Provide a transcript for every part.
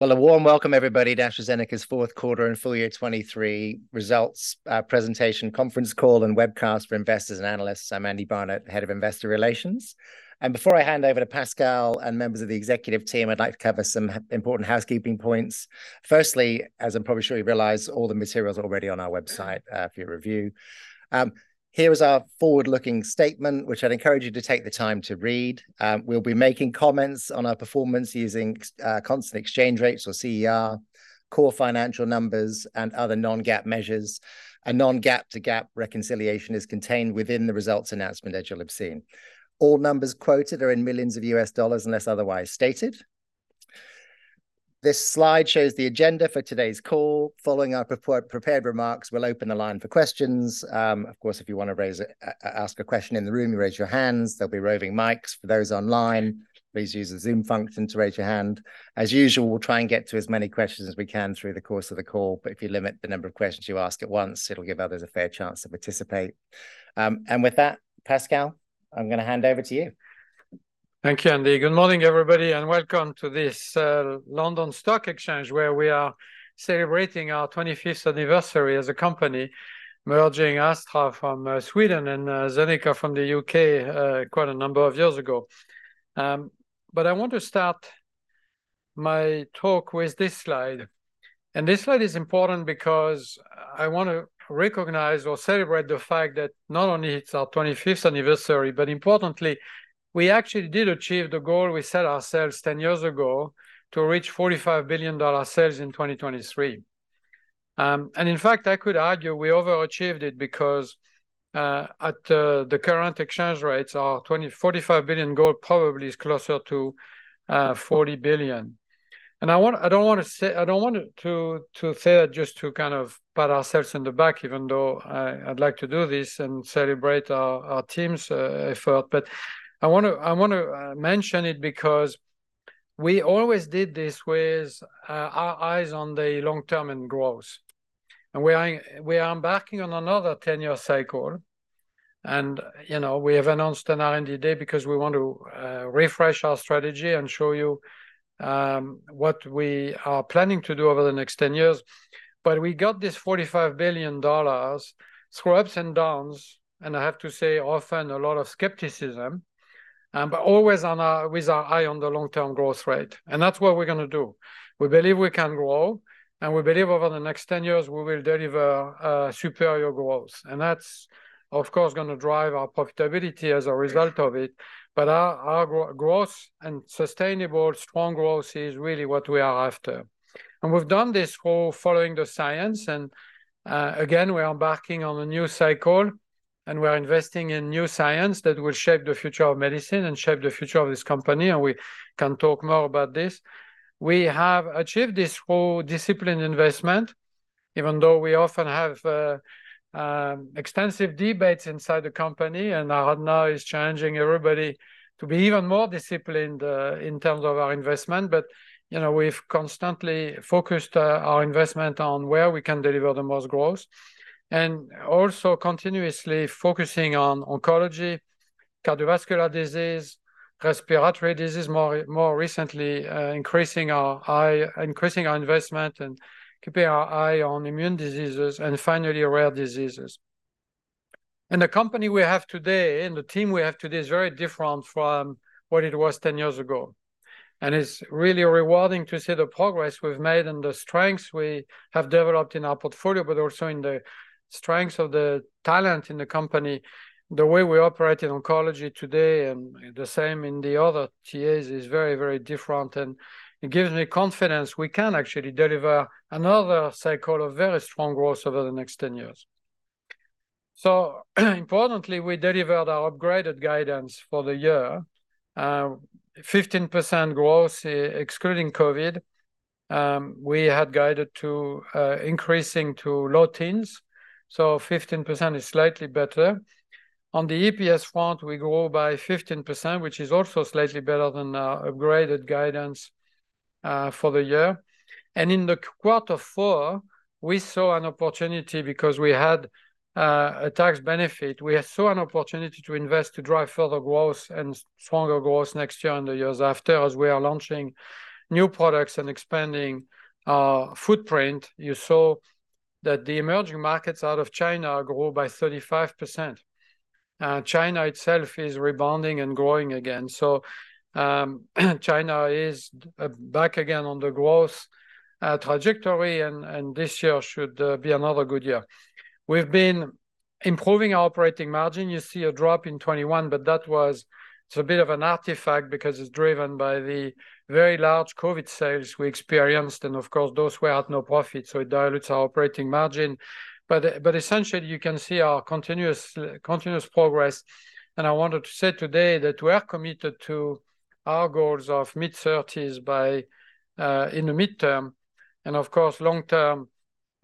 Well, a warm welcome, everybody, to AstraZeneca's Q4 and full year 2023 results, presentation conference call and webcast for investors and analysts. I'm Andy Barnett, Head of Investor Relations. And before I hand over to Pascal and members of the executive team, I'd like to cover some important housekeeping points. Firstly, as I'm probably sure you realize, all the material's already on our website for your review. Here is our forward-looking statement, which I'd encourage you to take the time to read. We'll be making comments on our performance using constant exchange rates or CER, core financial numbers, and other non-GAAP measures, and non-GAAP to GAAP reconciliation is contained within the results announcement that you'll have seen. All numbers quoted are in millions of U.S. dollars, unless otherwise stated. This slide shows the agenda for today's call. Following our prepared remarks, we'll open the line for questions. Of course, if you want to ask a question in the room, you raise your hands. There'll be roving mics. For those online, please use the Zoom function to raise your hand. As usual, we'll try and get to as many questions as we can through the course of the call, but if you limit the number of questions you ask at once, it'll give others a fair chance to participate. And with that, Pascal, I'm going to hand over to you. Thank you, Andy. Good morning, everybody, and welcome to this London Stock Exchange, where we are celebrating our 25th anniversary as a company, merging Astra from Sweden and Zeneca from the UK quite a number of years ago. But I want to start my talk with this slide, and this slide is important because I want to recognize or celebrate the fact that not only it's our 25th anniversary, but importantly, we actually did achieve the goal we set ourselves 10 years ago to reach $45 billion sales in 2023. And in fact, I could argue we overachieved it because at the current exchange rates, our $45 billion goal probably is closer to $40 billion. And I don't want it to say just to kind of pat ourselves on the back, even though I'd like to do this and celebrate our team's effort, but I want to mention it because we always did this with our eyes on the long-term and growth. And we are embarking on another ten-year cycle, and you know, we have announced an R&D day because we want to refresh our strategy and show you what we are planning to do over the next ten years. But we got this $45 billion through ups and downs, and I have to say often a lot of skepticism, but always with our eye on the long-term growth rate, and that's what we're going to do. We believe we can grow, and we believe over the next 10 years, we will deliver superior growth. That's, of course, going to drive our profitability as a result of it, but our growth and sustainable strong growth is really what we are after. We've done this through following the science, and again, we're embarking on a new cycle, and we're investing in new science that will shape the future of medicine and shape the future of this company, and we can talk more about this. We have achieved this through disciplined investment, even though we often have extensive debates inside the company, and Arad now is challenging everybody to be even more disciplined in terms of our investment. But, you know, we've constantly focused our investment on where we can deliver the most growth, and also continuously focusing on oncology, cardiovascular disease, respiratory disease, more recently, increasing our investment and keeping our eye on immune diseases, and finally, rare diseases. And the company we have today, and the team we have today is very different from what it was 10 years ago. And it's really rewarding to see the progress we've made and the strengths we have developed in our portfolio, but also in the strengths of the talent in the company. The way we operate in oncology today, and the same in the other TAs, is very, very different, and it gives me confidence we can actually deliver another cycle of very strong growth over the next 10 years. So, importantly, we delivered our upgraded guidance for the year. 15% growth, excluding COVID. We had guided to increasing to low teens, so 15% is slightly better. On the EPS front, we grow by 15%, which is also slightly better than our upgraded guidance for the year. In quarter four, we saw an opportunity because we had a tax benefit. We saw an opportunity to invest to drive further growth and stronger growth next year and the years after, as we are launching new products and expanding our footprint. You saw that the emerging markets out of China grow by 35%. China itself is rebounding and growing again, so China is back again on the growth trajectory, and this year should be another good year. We've been improving our operating margin. You see a drop in 2021, but that was. It's a bit of an artifact because it's driven by the very large COVID sales we experienced, and of course, those were at no profit, so it dilutes our operating margin. But essentially, you can see our continuous progress, and I wanted to say today that we are committed to our goals of mid-thirties by in the midterm, and of course, long term,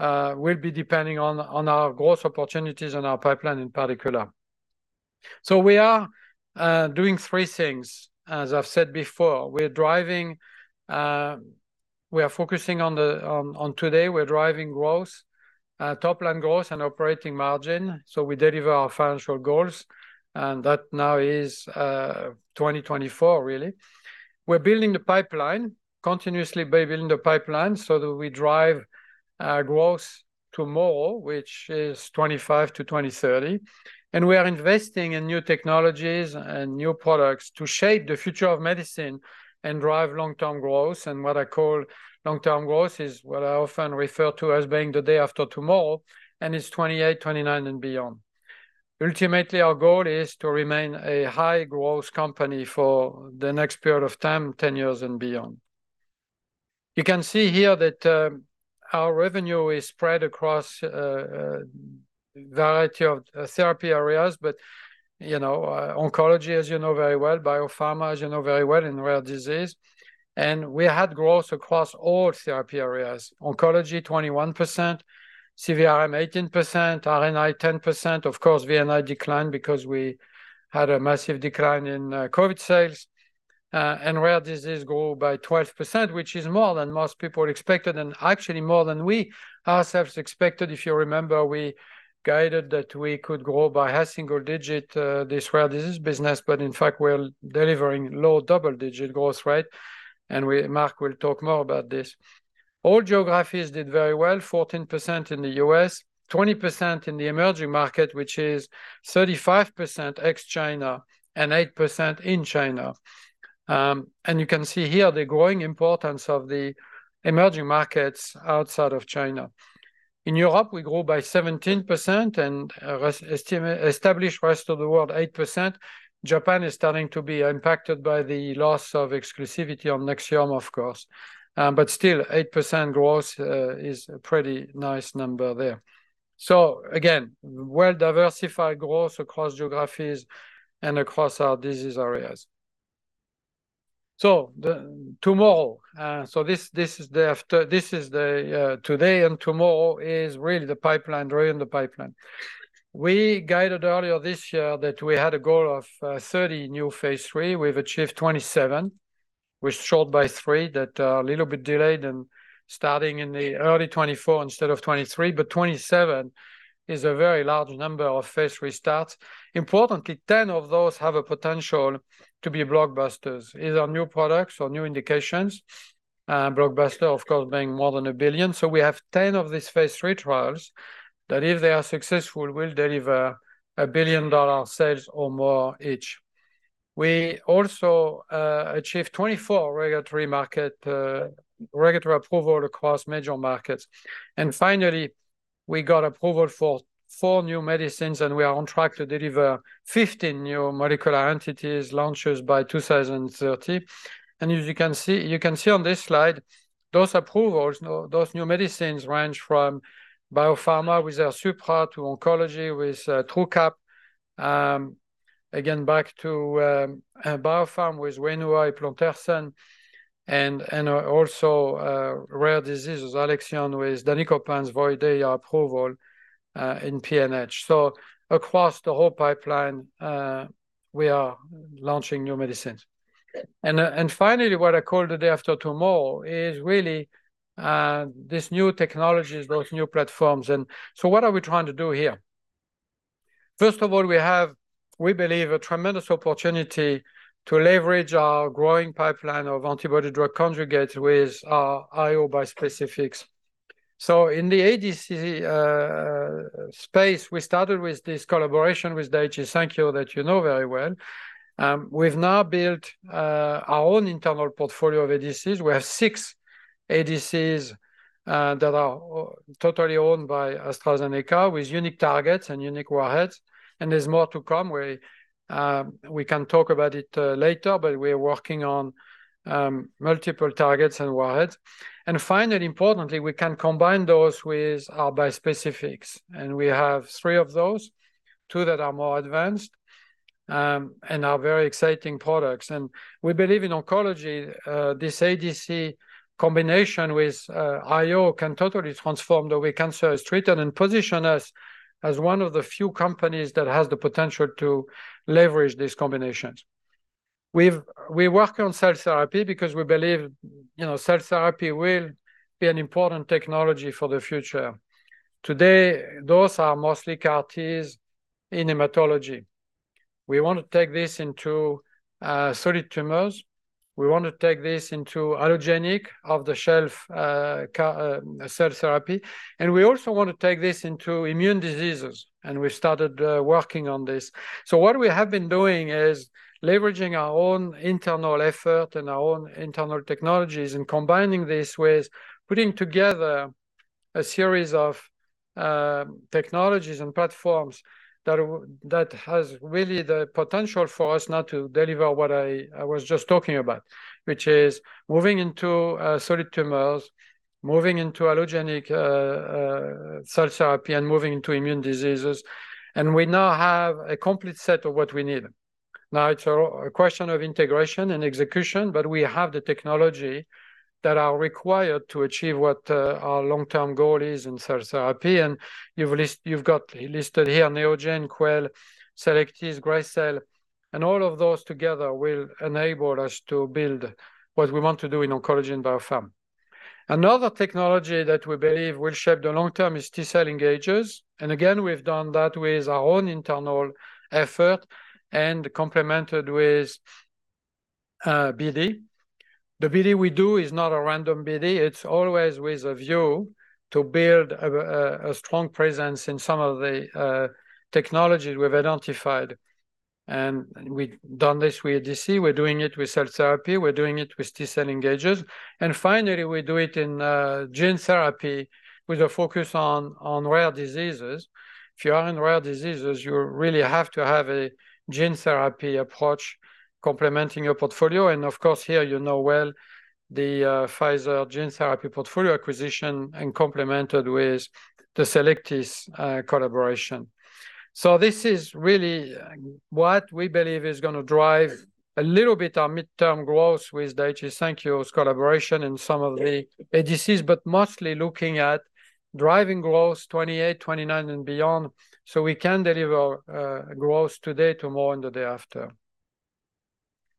will be depending on our growth opportunities and our pipeline in particular. So we are doing three things. As I've said before, we're driving, we are focusing on the, on today, we're driving growth, top-line growth, and operating margin, so we deliver our financial goals, and that now is 2024 really. We're building the pipeline, continuously building the pipeline so that we drive growth-... Tomorrow, which is 2025-2030, and we are investing in new technologies and new products to shape the future of medicine and drive long-term growth. What I call long-term growth is what I often refer to as being the day after tomorrow, and it's 2028, 2029, and beyond. Ultimately, our goal is to remain a high growth company for the next period of time, 10 years and beyond. You can see here that our revenue is spread across a variety of therapy areas, but you know, oncology, as you know very well, biopharma, as you know very well, and rare disease. We had growth across all therapy areas. Oncology, 21%, CVRM, 18%, RNI, 10%. Of course, VNI declined because we had a massive decline in COVID sales. And rare disease grew by 12%, which is more than most people expected, and actually more than we ourselves expected. If you remember, we guided that we could grow by half single digit, this rare disease business, but in fact, we're delivering low double-digit growth rate, and Mark will talk more about this. All geographies did very well, 14% in the US, 20% in the emerging market, which is 35% ex-China and 8% in China. And you can see here the growing importance of the emerging markets outside of China. In Europe, we grew by 17% and established rest of the world, 8%. Japan is starting to be impacted by the loss of exclusivity on Nexium, of course, but still, 8% growth is a pretty nice number there. So again, well-diversified growth across geographies and across our disease areas. So, this is today and tomorrow is really the pipeline, really in the pipeline. We guided earlier this year that we had a goal of 30 new phase 3. We've achieved 27. We're short by 3, that are a little bit delayed and starting in early 2024 instead of 2023, but 27 is a very large number of phase 3 starts. Importantly, 10 of those have a potential to be blockbusters, either new products or new indications, and blockbuster, of course, being more than $1 billion. So we have 10 of these phase 3 trials that, if they are successful, will deliver $1 billion in sales or more each. We also achieved 24 regulatory approvals across major markets. And finally, we got approval for four new medicines, and we are on track to deliver 15 new molecular entities launches by 2030. And as you can see, you can see on this slide, those approvals, those new medicines range from biopharma with our WAINUA to oncology with Truqap. Again, back to biopharm with WAINUA eplontersen and also rare diseases, Alexion with Danicopan FDA approval in PNH. So across the whole pipeline, we are launching new medicines. And finally, what I call the day after tomorrow is really this new technologies, those new platforms. And so what are we trying to do here? First of all, we have, we believe, a tremendous opportunity to leverage our growing pipeline of antibody drug conjugates with our IO bispecifics. So in the ADC space, we started with this collaboration with Daiichi Sankyo, that you know very well. We've now built our own internal portfolio of ADCs. We have six ADCs that are totally owned by AstraZeneca, with unique targets and unique warheads, and there's more to come. We can talk about it later, but we are working on multiple targets and warheads. And finally, importantly, we can combine those with our bispecifics, and we have three of those, two that are more advanced and are very exciting products. And we believe in oncology, this ADC combination with IO can totally transform the way cancer is treated and position us as one of the few companies that has the potential to leverage these combinations. We work on cell therapy because we believe, you know, cell therapy will be an important technology for the future. Today, those are mostly CAR-Ts in hematology. We want to take this into solid tumors. We want to take this into allogeneic off-the-shelf cell therapy, and we also want to take this into immune diseases, and we started working on this. So what we have been doing is leveraging our own internal effort and our own internal technologies, and combining this with putting together a series of technologies and platforms that has really the potential for us now to deliver what I was just talking about, which is moving into solid tumors, moving into allogeneic cell therapy, and moving into immune diseases. And we now have a complete set of what we need. Now, it's a question of integration and execution, but we have the technology that are required to achieve what our long-term goal is in cell therapy. And you've got listed here, Neogene, Quell, Cellectis, Gracell, and all of those together will enable us to build what we want to do in oncology and biopharm. Another technology that we believe will shape the long term is T-cell engagers, and again, we've done that with our own internal effort and complemented with BD. The BD we do is not a random BD, it's always with a view to build a strong presence in some of the technologies we've identified, and we've done this with ADC, we're doing it with cell therapy, we're doing it with T-cell engagers, and finally, we do it in gene therapy with a focus on rare diseases. If you are in rare diseases, you really have to have a gene therapy approach complementing your portfolio, and of course, here you know well the Pfizer gene therapy portfolio acquisition and complemented with the Cellectis collaboration. So this is really what we believe is going to drive a little bit our midterm growth with Daiichi Sankyo's collaboration in some of the ADCs, but mostly looking at driving growth 2028, 2029, and beyond, so we can deliver growth today, tomorrow, and the day after.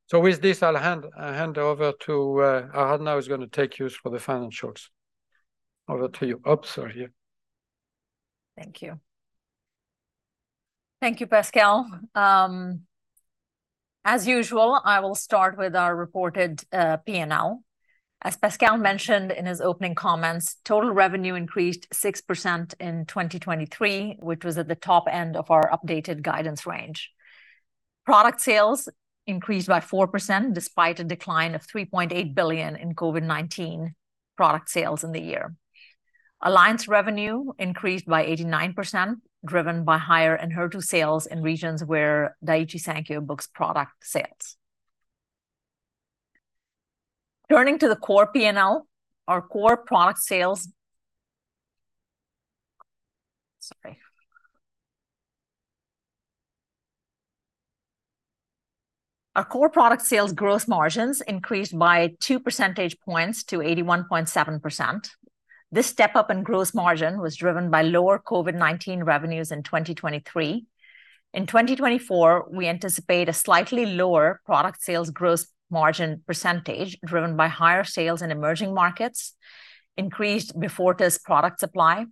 So with this, I'll hand- I'll hand over to Aradhana is going to take you for the financials. Over to you. Oops, sorry. Thank you. Thank you, Pascal. As usual, I will start with our reported P&L. As Pascal mentioned in his opening comments, total revenue increased 6% in 2023, which was at the top end of our updated guidance range. Product sales increased by 4%, despite a decline of $3.8 billion in COVID-19 product sales in the year. Alliance revenue increased by 89%, driven by higher Enhertu sales in regions where Daiichi Sankyo books product sales. Turning to the core P&L, our core product sales. Sorry. Our core product sales growth margins increased by two percentage points to 81.7%. This step-up in gross margin was driven by lower COVID-19 revenues in 2023. In 2024, we anticipate a slightly lower product sales growth margin percentage, driven by higher sales in emerging markets, increased before test product supply,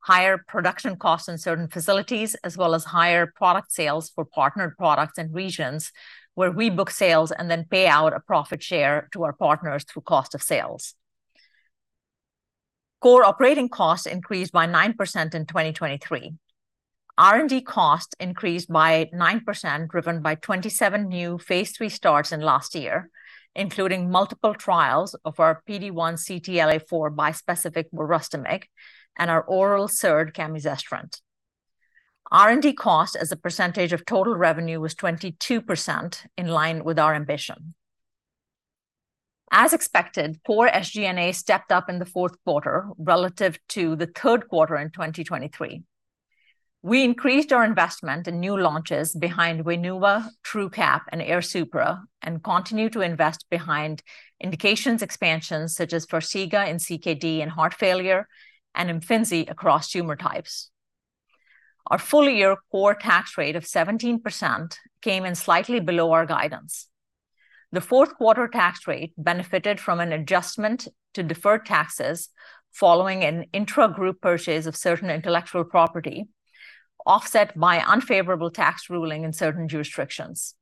higher production costs in certain facilities, as well as higher product sales for partnered products in regions where we book sales and then pay out a profit share to our partners through cost of sales. Core operating costs increased by 9% in 2023. R&D costs increased by 9%, driven by 27 new phase III starts in last year, including multiple trials of our PD-1 CTLA-4 bispecific volrustomig, and our oral SERD, camizestrant. R&D cost as a percentage of total revenue was 22%, in line with our ambition. As expected, core SG&A stepped up in the Q4 relative to the Q3 in 2023. We increased our investment in new launches behind WAINUA, Truqap, and AIRSUPRA, and continue to invest behind indications expansions such as Farxiga in CKD and heart failure, and Imfinzi across tumor types. Our full-year core tax rate of 17% came in slightly below our guidance. The Q4 tax rate benefited from an adjustment to deferred taxes following an intra-group purchase of certain intellectual property, offset by unfavorable tax ruling in certain jurisdictions.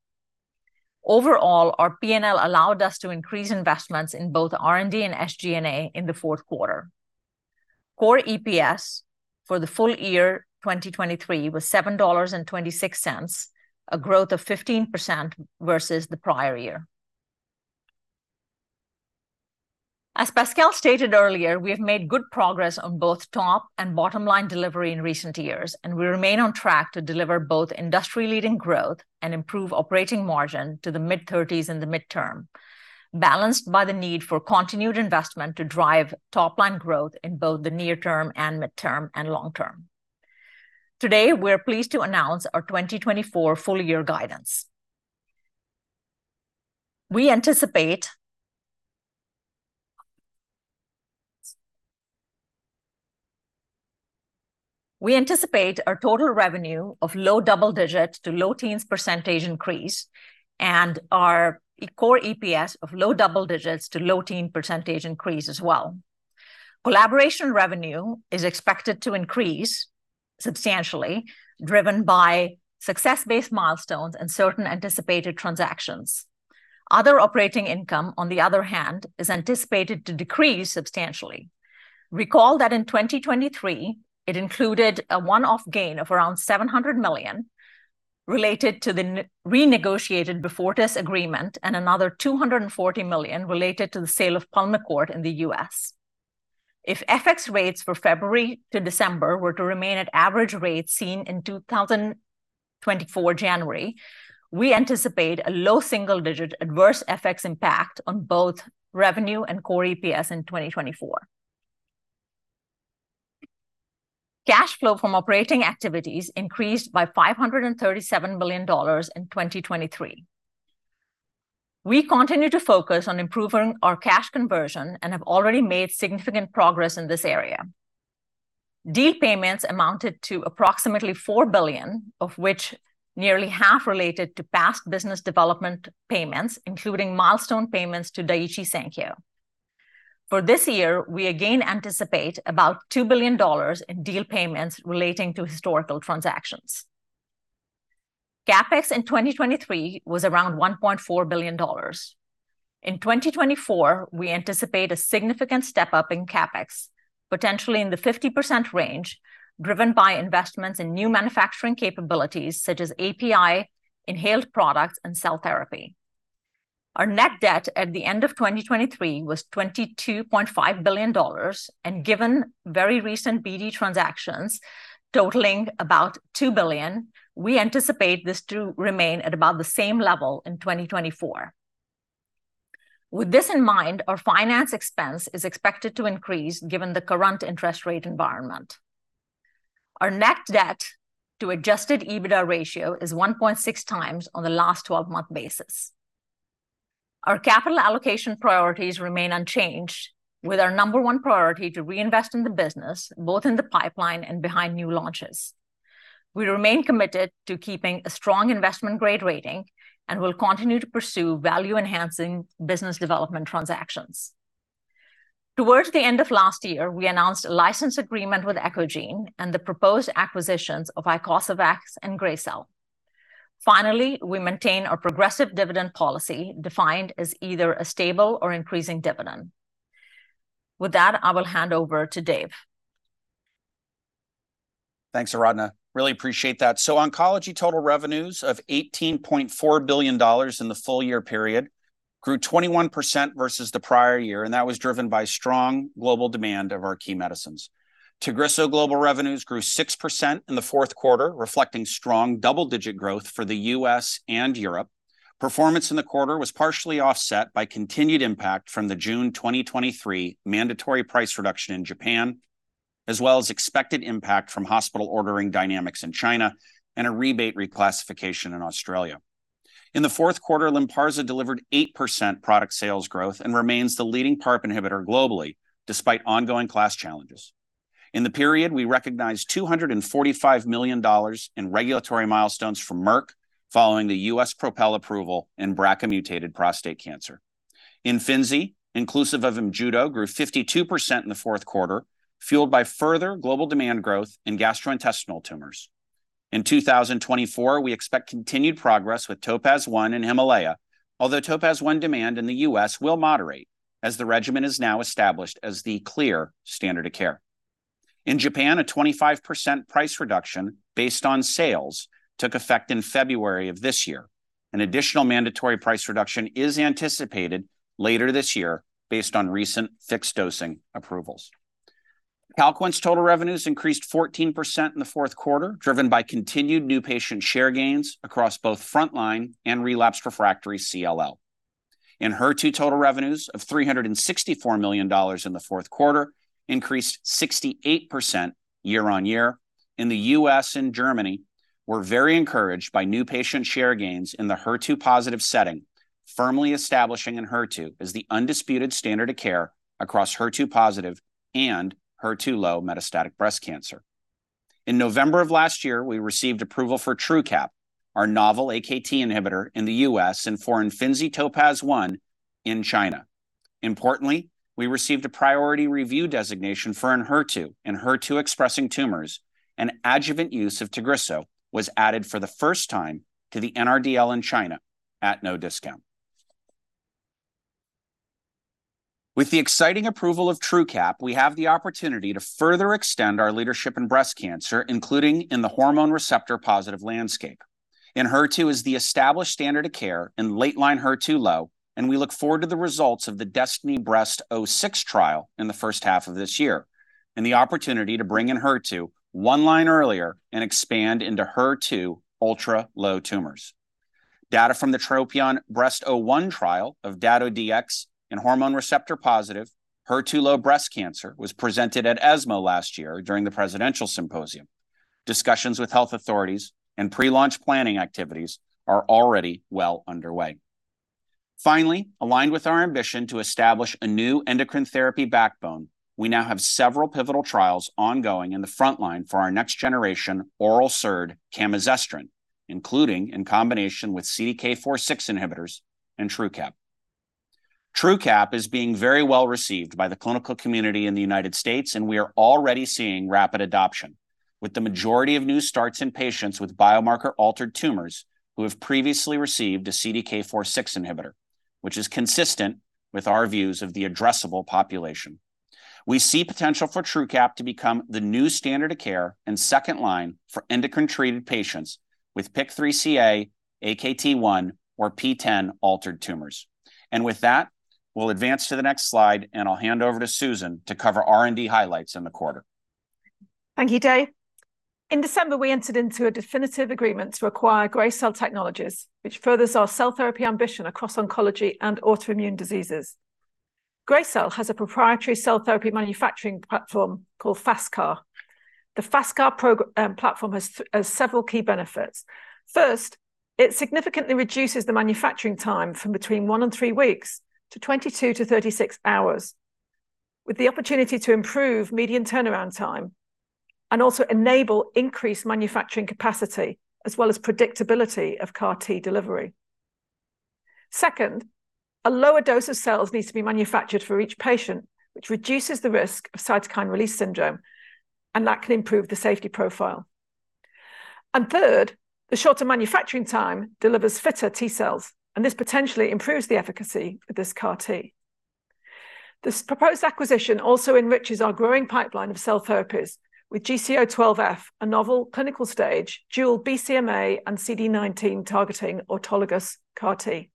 Overall, our P&L allowed us to increase investments in both R&D and SG&A in the Q4. Core EPS for the full year 2023 was $7.26, a growth of 15% versus the prior year. As Pascal stated earlier, we have made good progress on both top and bottom-line delivery in recent years, and we remain on track to deliver both industry-leading growth and improve operating margin to the mid-thirties in the midterm, balanced by the need for continued investment to drive top-line growth in both the near term and midterm and long term. Today, we're pleased to announce our 2024 full-year guidance. We anticipate our total revenue of low double digits to low teens % increase, and our core EPS of low double digits to low teen % increase as well. Collaboration revenue is expected to increase substantially, driven by success-based milestones and certain anticipated transactions. Other operating income, on the other hand, is anticipated to decrease substantially. Recall that in 2023, it included a one-off gain of around $700 million, related to the renegotiated before this agreement, and another $240 million related to the sale of Pulmicort in the US. If FX rates for February to December were to remain at average rates seen in January 2024, we anticipate a low single-digit adverse FX impact on both revenue and core EPS in 2024. Cash flow from operating activities increased by $537 million in 2023. We continue to focus on improving our cash conversion and have already made significant progress in this area. Deal payments amounted to approximately $4 billion, of which nearly half related to past business development payments, including milestone payments to Daiichi Sankyo.... For this year, we again anticipate about $2 billion in deal payments relating to historical transactions. CapEx in 2023 was around $1.4 billion. In 2024, we anticipate a significant step-up in CapEx, potentially in the 50% range, driven by investments in new manufacturing capabilities, such as API, inhaled products, and cell therapy. Our net debt at the end of 2023 was $22.5 billion, and given very recent BD transactions totaling about $2 billion, we anticipate this to remain at about the same level in 2024. With this in mind, our finance expense is expected to increase given the current interest rate environment. Our net debt to adjusted EBITDA ratio is 1.6 times on the last twelve-month basis. Our capital allocation priorities remain unchanged, with our number one priority to reinvest in the business, both in the pipeline and behind new launches. We remain committed to keeping a strong investment-grade rating, and we'll continue to pursue value-enhancing business development transactions. Towards the end of last year, we announced a license agreement with Echosens and the proposed acquisitions of Icosavax and Gracell. Finally, we maintain our progressive dividend policy, defined as either a stable or increasing dividend. With that, I will hand over to Dave. Thanks, Aradhana. Really appreciate that. So Oncology total revenues of $18.4 billion in the full year period grew 21% versus the prior year, and that was driven by strong global demand of our key medicines. Tagrisso global revenues grew 6% in the Q4, reflecting strong double-digit growth for the U.S. and Europe. Performance in the quarter was partially offset by continued impact from the June 2023 mandatory price reduction in Japan, as well as expected impact from hospital ordering dynamics in China and a rebate reclassification in Australia. In the Q4, Lynparza delivered 8% product sales growth and remains the leading PARP inhibitor globally, despite ongoing class challenges. In the period, we recognized $245 million in regulatory milestones from Merck, following the U.S. PROpel approval in BRCA-mutated prostate cancer. Imfinzi, inclusive of Imjudo, grew 52% in the Q4, fueled by further global demand growth in gastrointestinal tumors. In 2024, we expect continued progress with Topaz-1 and Himalaya, although Topaz-1 demand in the U.S. will moderate, as the regimen is now established as the clear standard of care. In Japan, a 25% price reduction based on sales took effect in February of this year. An additional mandatory price reduction is anticipated later this year based on recent fixed-dosing approvals. Calquence total revenues increased 14% in the Q4, driven by continued new patient share gains across both frontline and relapsed refractory CLL. In HER2, total revenues of $364 million in the Q4 increased 68% year-over-year. In the US and Germany, we're very encouraged by new patient share gains in the HER2 positive setting, firmly establishing Enhertu as the undisputed standard of care across HER2 positive and HER2-low metastatic breast cancer. In November of last year, we received approval for Truqap, our novel AKT inhibitor in the US, and for Imfinzi Topaz-1 in China. Importantly, we received a priority review designation for Enhertu, and HER2-expressing tumors, and adjuvant use of Tagrisso was added for the first time to the NRDL in China at no discount. With the exciting approval of Truqap, we have the opportunity to further extend our leadership in breast cancer, including in the hormone receptor-positive landscape. Enhertu is the established standard of care in late-line HER2-low, and we look forward to the results of the Destiny Breast 06 trial in the first half of this year, and the opportunity to bring Enhertu one line earlier and expand into HER2 ultra-low tumors. Data from the TROPION Breast 01 trial of dato-DXd in hormone receptor-positive, HER2-low breast cancer was presented at ESMO last year during the presidential symposium. Discussions with health authorities and pre-launch planning activities are already well underway. Finally, aligned with our ambition to establish a new endocrine therapy backbone, we now have several pivotal trials ongoing in the frontline for our next-generation oral SERD, camizestrant, including in combination with CDK 4/6 inhibitors and Truqap. Truqap is being very well received by the clinical community in the United States, and we are already seeing rapid adoption, with the majority of new starts in patients with biomarker-altered tumors who have previously received a CDK 4/6 inhibitor, which is consistent with our views of the addressable population. We see potential for Truqap to become the new standard of care in second line for endocrine-treated patients with PIK3CA, AKT1, or PTEN altered tumors. And with that, we'll advance to the next slide, and I'll hand over to Susan to cover R&D highlights in the quarter. Thank you, Dave. In December, we entered into a definitive agreement to acquire Gracell Biotechnologies, which furthers our cell therapy ambition across oncology and autoimmune diseases. Gracell Biotechnologies has a proprietary cell therapy manufacturing platform called FASTcar. The FASTcar platform has several key benefits. First, it significantly reduces the manufacturing time from between 1 and 3 weeks to 22-36 hours, with the opportunity to improve median turnaround time. And also enable increased manufacturing capacity, as well as predictability of CAR T delivery. Second, a lower dose of cells needs to be manufactured for each patient, which reduces the risk of cytokine release syndrome, and that can improve the safety profile. Third, the shorter manufacturing time delivers fitter T-cells, and this potentially improves the efficacy of this CAR T. This proposed acquisition also enriches our growing pipeline of cell therapies with GC012F, a novel clinical-stage dual BCMA and CD19-targeting autologous CAR T.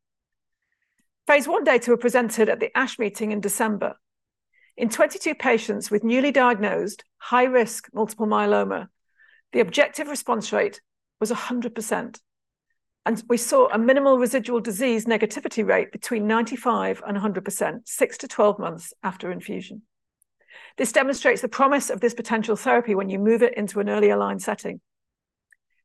Phase I data were presented at the ASH Meeting in December. In 22 patients with newly diagnosed high-risk multiple myeloma, the objective response rate was 100%, and we saw a minimal residual disease negativity rate between 95% and 100%, 6-12 months after infusion. This demonstrates the promise of this potential therapy when you move it into an earlier line setting.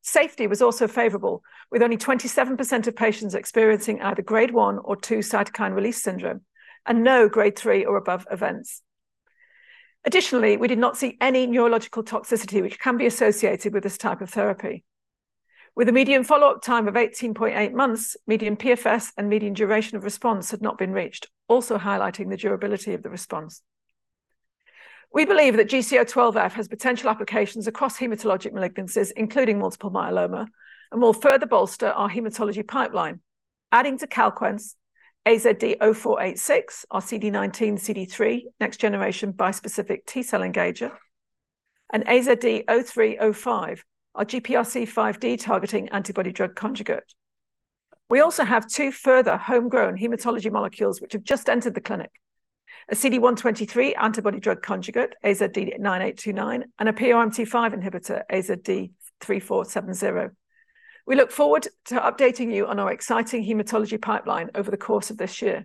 Safety was also favorable, with only 27% of patients experiencing either Grade I or II cytokine release syndrome, and no Grade III or above events. Additionally, we did not see any neurological toxicity, which can be associated with this type of therapy. With a median follow-up time of 18.8 months, median PFS and median duration of response had not been reached, also highlighting the durability of the response. We believe that GC012F has potential applications across hematologic malignancies, including multiple myeloma, and will further bolster our hematology pipeline, adding to Calquence, AZD0486, our CD19/CD3 next-generation bispecific T-cell engager, and AZD0305, our GPRC5D-targeting antibody drug conjugate. We also have two further homegrown hematology molecules, which have just entered the clinic: a CD123 antibody-drug conjugate, AZD9829, and a PRMT5 inhibitor, AZD3470. We look forward to updating you on our exciting hematology pipeline over the course of this year.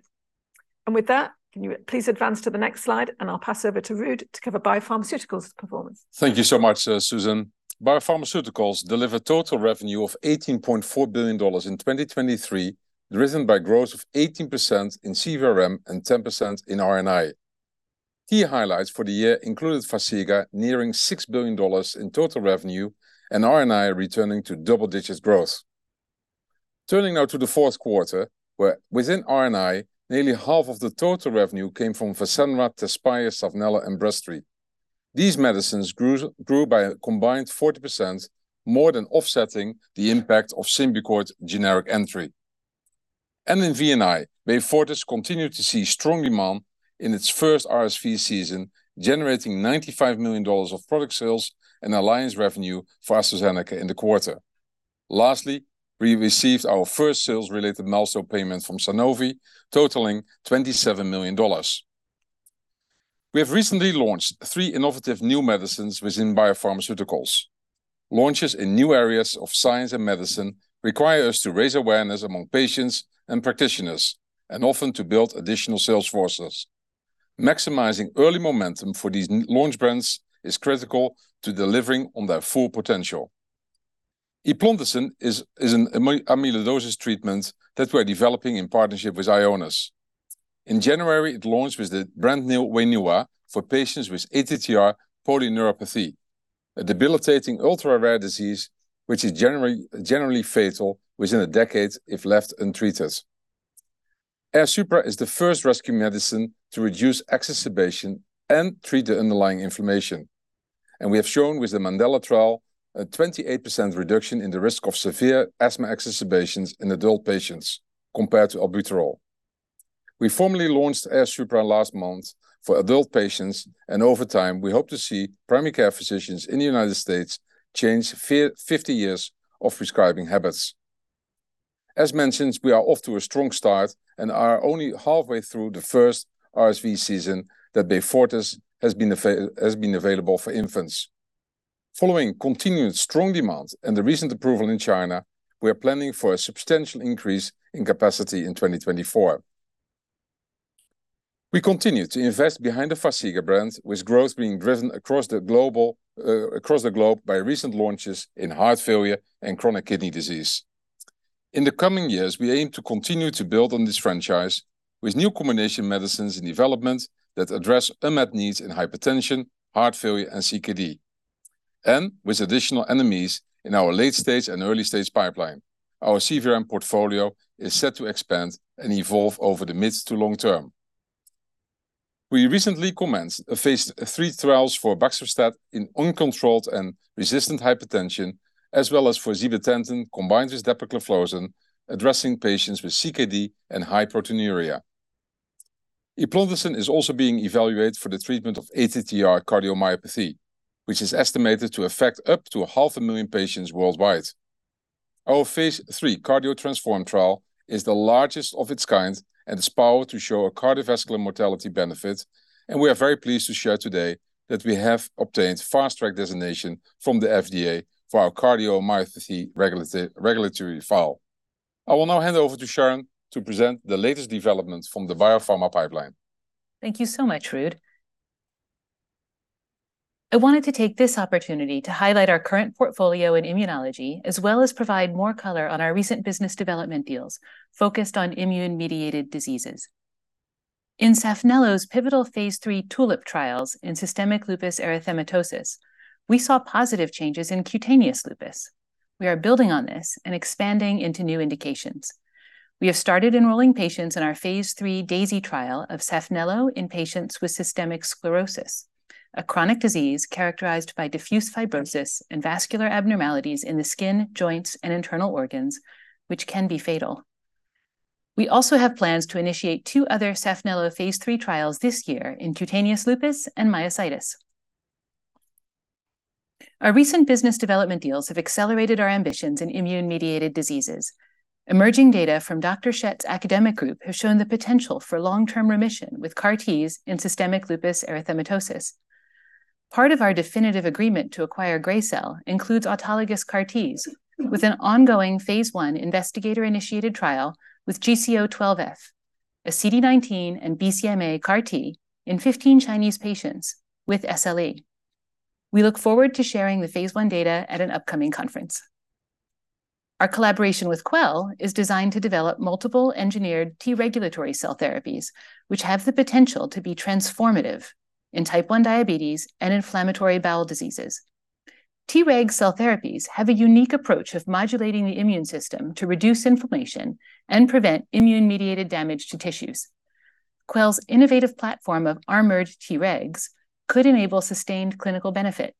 With that, can you please advance to the next slide, and I'll pass over to Ruud to cover BioPharmaceuticals performance. Thank you so much, Susan. Biopharmaceuticals delivered total revenue of $18.4 billion in 2023, driven by growth of 18% in CVRM and 10% in RNI. Key highlights for the year included Farxiga nearing $6 billion in total revenue, and RNI returning to double-digit growth. Turning now to the Q4, where within RNI, nearly half of the total revenue came from Vascepa, Tezspire, Saphnelo, and Breztri. These medicines grew by a combined 40%, more than offsetting the impact of Symbicort generic entry. In VNI, Beyfortus continued to see strong demand in its first RSV season, generating $95 million of product sales and alliance revenue for AstraZeneca in the quarter. Lastly, we received our first sales-related milestone payment from Sanofi, totaling $27 million. We have recently launched three innovative new medicines within Biopharmaceuticals. Launches in new areas of science and medicine require us to raise awareness among patients and practitioners, and often to build additional sales forces. Maximizing early momentum for these new launch brands is critical to delivering on their full potential. Eplontersen is an amyloidosis treatment that we're developing in partnership with Ionis. In January, it launched with the brand new WAINUA for patients with ATTR polyneuropathy, a debilitating ultra-rare disease, which is generally fatal within a decade if left untreated. AIRSUPRA is the first rescue medicine to reduce exacerbation and treat the underlying inflammation, and we have shown with the MANDELA trial, a 28% reduction in the risk of severe asthma exacerbations in adult patients compared to Albuterol. We formally launched AIRSUPRA last month for adult patients, and over time, we hope to see primary care physicians in the United States change 50 years of prescribing habits. As mentioned, we are off to a strong start and are only halfway through the first RSV season that Beyfortus has been available for infants. Following continued strong demand and the recent approval in China, we are planning for a substantial increase in capacity in 2024. We continue to invest behind the Farxiga brand, with growth being driven across the globe by recent launches in heart failure and chronic kidney disease. In the coming years, we aim to continue to build on this franchise with new combination medicines in development that address unmet needs in hypertension, heart failure, and CKD. With additional NMEs in our late-stage and early-stage pipeline, our CVRM portfolio is set to expand and evolve over the mid to long term. We recently commenced Phase III trials for baxdrostat in uncontrolled and resistant hypertension, as well as for zibotentan combined with dapagliflozin, addressing patients with CKD and proteinuria. Eplontersen is also being evaluated for the treatment of ATTR cardiomyopathy, which is estimated to affect up to 500,000 patients worldwide. Our Phase III CARDIO TRANSFORM trial is the largest of its kind and is powered to show a cardiovascular mortality benefit, and we are very pleased to share today that we have obtained Fast Track designation from the FDA for our cardiomyopathy regulatory file. I will now hand over to Sharon to present the latest developments from the Biopharma pipeline. Thank you so much, Ruud. I wanted to take this opportunity to highlight our current portfolio in immunology, as well as provide more color on our recent business development deals focused on immune-mediated diseases. In Saphnelo's pivotal phase III TULIP trials in systemic lupus erythematosus, we saw positive changes in cutaneous lupus. We are building on this and expanding into new indications. We have started enrolling patients in our phase III DAISY trial of Saphnelo in patients with systemic sclerosis, a chronic disease characterized by diffuse fibrosis and vascular abnormalities in the skin, joints, and internal organs, which can be fatal. We also have plans to initiate two other Saphnelo phase III trials this year in cutaneous lupus and myositis. Our recent business development deals have accelerated our ambitions in immune-mediated diseases. Emerging data from Dr. Chet's academic group have shown the potential for long-term remission with CAR-Ts in systemic lupus erythematosus. Part of our definitive agreement to acquire Gracell includes autologous CAR-Ts, with an ongoing phase I investigator-initiated trial with GC012F, a CD-19 and BCMA CAR-T in 15 Chinese patients with SLE. We look forward to sharing the phase I data at an upcoming conference. Our collaboration with Quell is designed to develop multiple engineered T-regulatory cell therapies, which have the potential to be transformative in Type I diabetes and inflammatory bowel diseases. T-reg cell therapies have a unique approach of modulating the immune system to reduce inflammation and prevent immune-mediated damage to tissues. Quell's innovative platform of armored T-regs could enable sustained clinical benefit.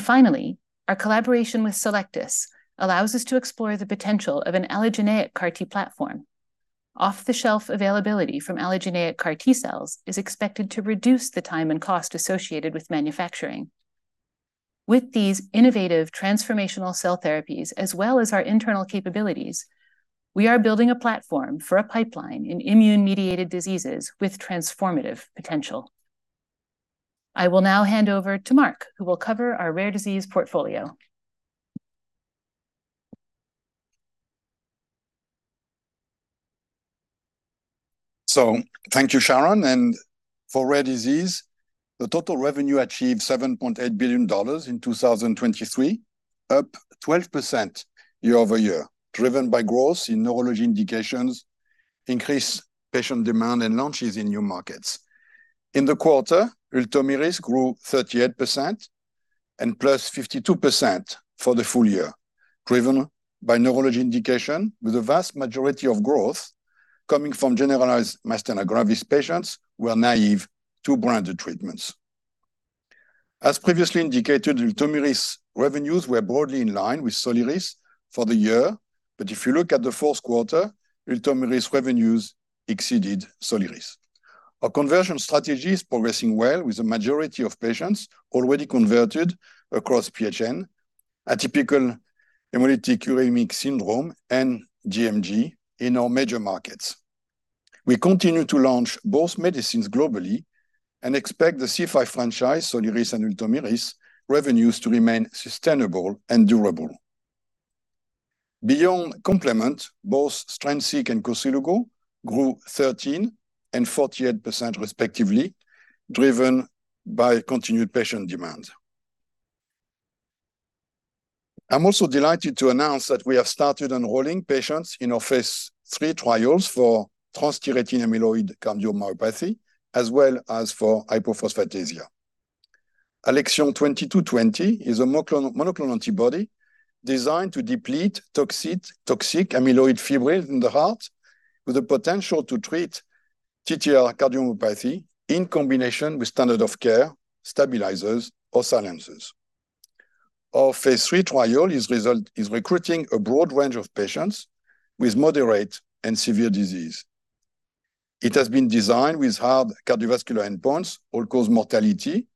Finally, our collaboration with Cellectis allows us to explore the potential of an allogeneic CAR-T platform. Off-the-shelf availability from allogeneic CAR-T cells is expected to reduce the time and cost associated with manufacturing. With these innovative transformational cell therapies, as well as our internal capabilities, we are building a platform for a pipeline in immune-mediated diseases with transformative potential. I will now hand over to Marc, who will cover our rare disease portfolio. Thank you, Sharon, and for rare disease, the total revenue achieved $7.8 billion in 2023, up 12% year-over-year, driven by growth in neurology indications, increased patient demand, and launches in new markets. In the quarter, Ultomiris grew 38% and +52% for the full year, driven by neurology indication, with the vast majority of growth coming from generalized myasthenia gravis patients who are naive to branded treatments. As previously indicated, Ultomiris revenues were broadly in line with Soliris for the year, but if you look at the Q4, Ultomiris revenues exceeded Soliris. Our conversion strategy is progressing well, with the majority of patients already converted across PNH, atypical hemolytic uremic syndrome, and GMG in our major markets. We continue to launch both medicines globally and expect the C5 franchise, Soliris and Ultomiris, revenues to remain sustainable and durable. Beyond complement, both Strensiq and Cosuligo grew 13% and 48%, respectively, driven by continued patient demand. I'm also delighted to announce that we have started enrolling patients in our phase III trials for transthyretin amyloid cardiomyopathy, as well as for hypophosphatasia. Alexion 2220 is a monoclonal antibody designed to deplete toxic amyloid fibrils in the heart, with the potential to treat TTR cardiomyopathy in combination with standard of care, stabilizers, or silencers. Our phase III trial is recruiting a broad range of patients with moderate and severe disease. It has been designed with hard cardiovascular endpoints, all-cause mortality,